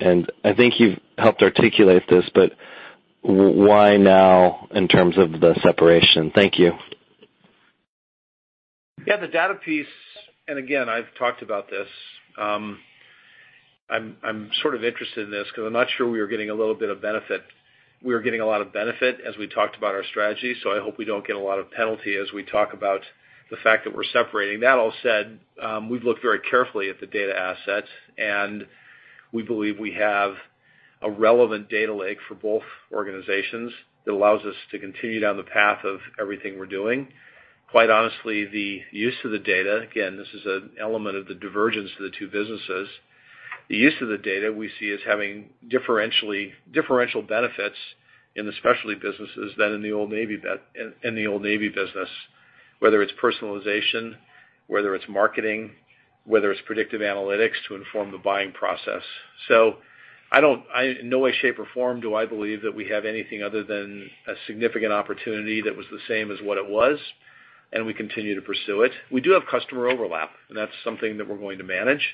I think you've helped articulate this but why now in terms of the separation? Thank you. The data piece, again, I've talked about this. I'm sort of interested in this because I'm not sure we were getting a little bit of benefit. We were getting a lot of benefit as we talked about our strategy, so I hope we don't get a lot of penalty as we talk about the fact that we're separating. That all said, we've looked very carefully at the data assets, and we believe we have a relevant data lake for both organizations that allows us to continue down the path of everything we're doing. Quite honestly, the use of the data, again, this is an element of the divergence of the two businesses. The use of the data we see as having differential benefits in the specialty businesses than in the Old Navy business, whether it's personalization, whether it's marketing, whether it's predictive analytics to inform the buying process. In no way, shape, or form do I believe that we have anything other than a significant opportunity that was the same as what it was, and we continue to pursue it. We do have customer overlap, and that's something that we're going to manage.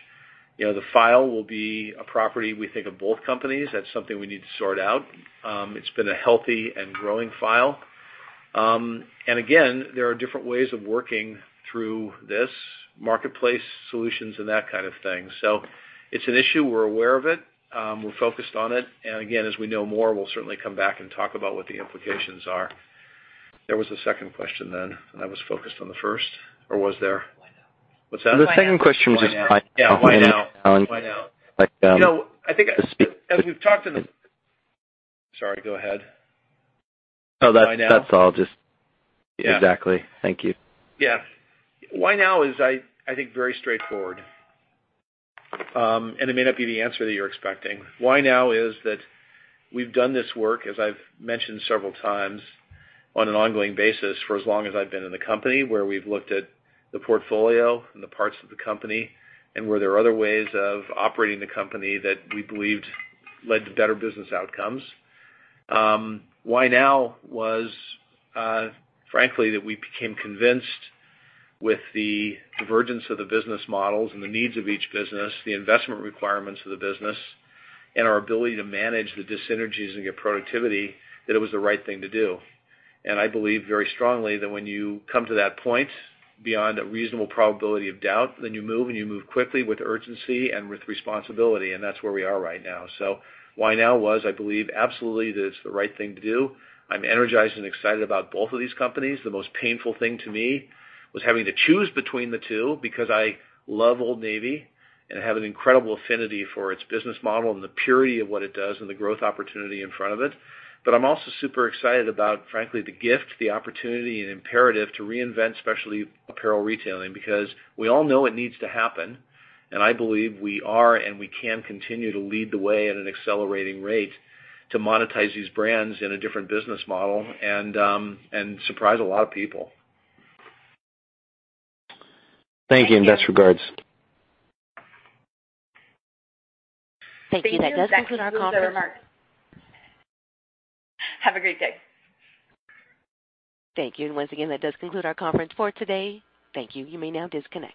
The file will be a property we think of both companies. That's something we need to sort out. It's been a healthy and growing file. Again, there are different ways of working through this, marketplace solutions and that kind of thing. It's an issue, we're aware of it. We're focused on it. Again, as we know more, we'll certainly come back and talk about what the implications are. There was a second question then. I was focused on the first. Or was there? What's that? The second question was just- Yeah. Why now? Why now? Why now? I think as we've talked to. Sorry, go ahead. Why now? No, that's all. Yeah. Exactly. Thank you. Yeah. Why now is, I think, very straightforward. It may not be the answer that you're expecting. Why now is that we've done this work, as I've mentioned several times, on an ongoing basis for as long as I've been in the company, where we've looked at the portfolio and the parts of the company and where there are other ways of operating the company that we believed led to better business outcomes. Why now was, frankly, that we became convinced with the divergence of the business models and the needs of each business, the investment requirements of the business, and our ability to manage the dysenergies and get productivity that it was the right thing to do. I believe very strongly that when you come to that point beyond a reasonable probability of doubt, then you move and you move quickly with urgency and with responsibility. That's where we are right now. Why now was, I believe absolutely that it's the right thing to do. I'm energized and excited about both of these companies. The most painful thing to me was having to choose between the two because I love Old Navy and have an incredible affinity for its business model and the purity of what it does and the growth opportunity in front of it. I'm also super excited about, frankly, the gift, the opportunity and imperative to reinvent specialty apparel retailing because we all know it needs to happen, and I believe we are and we can continue to lead the way at an accelerating rate to monetize these brands in a different business model and surprise a lot of people. Thank you. Best regards. Thank you. That does conclude our conference. Have a great day. Thank you. Once again, that does conclude our conference for today. Thank you. You may now disconnect.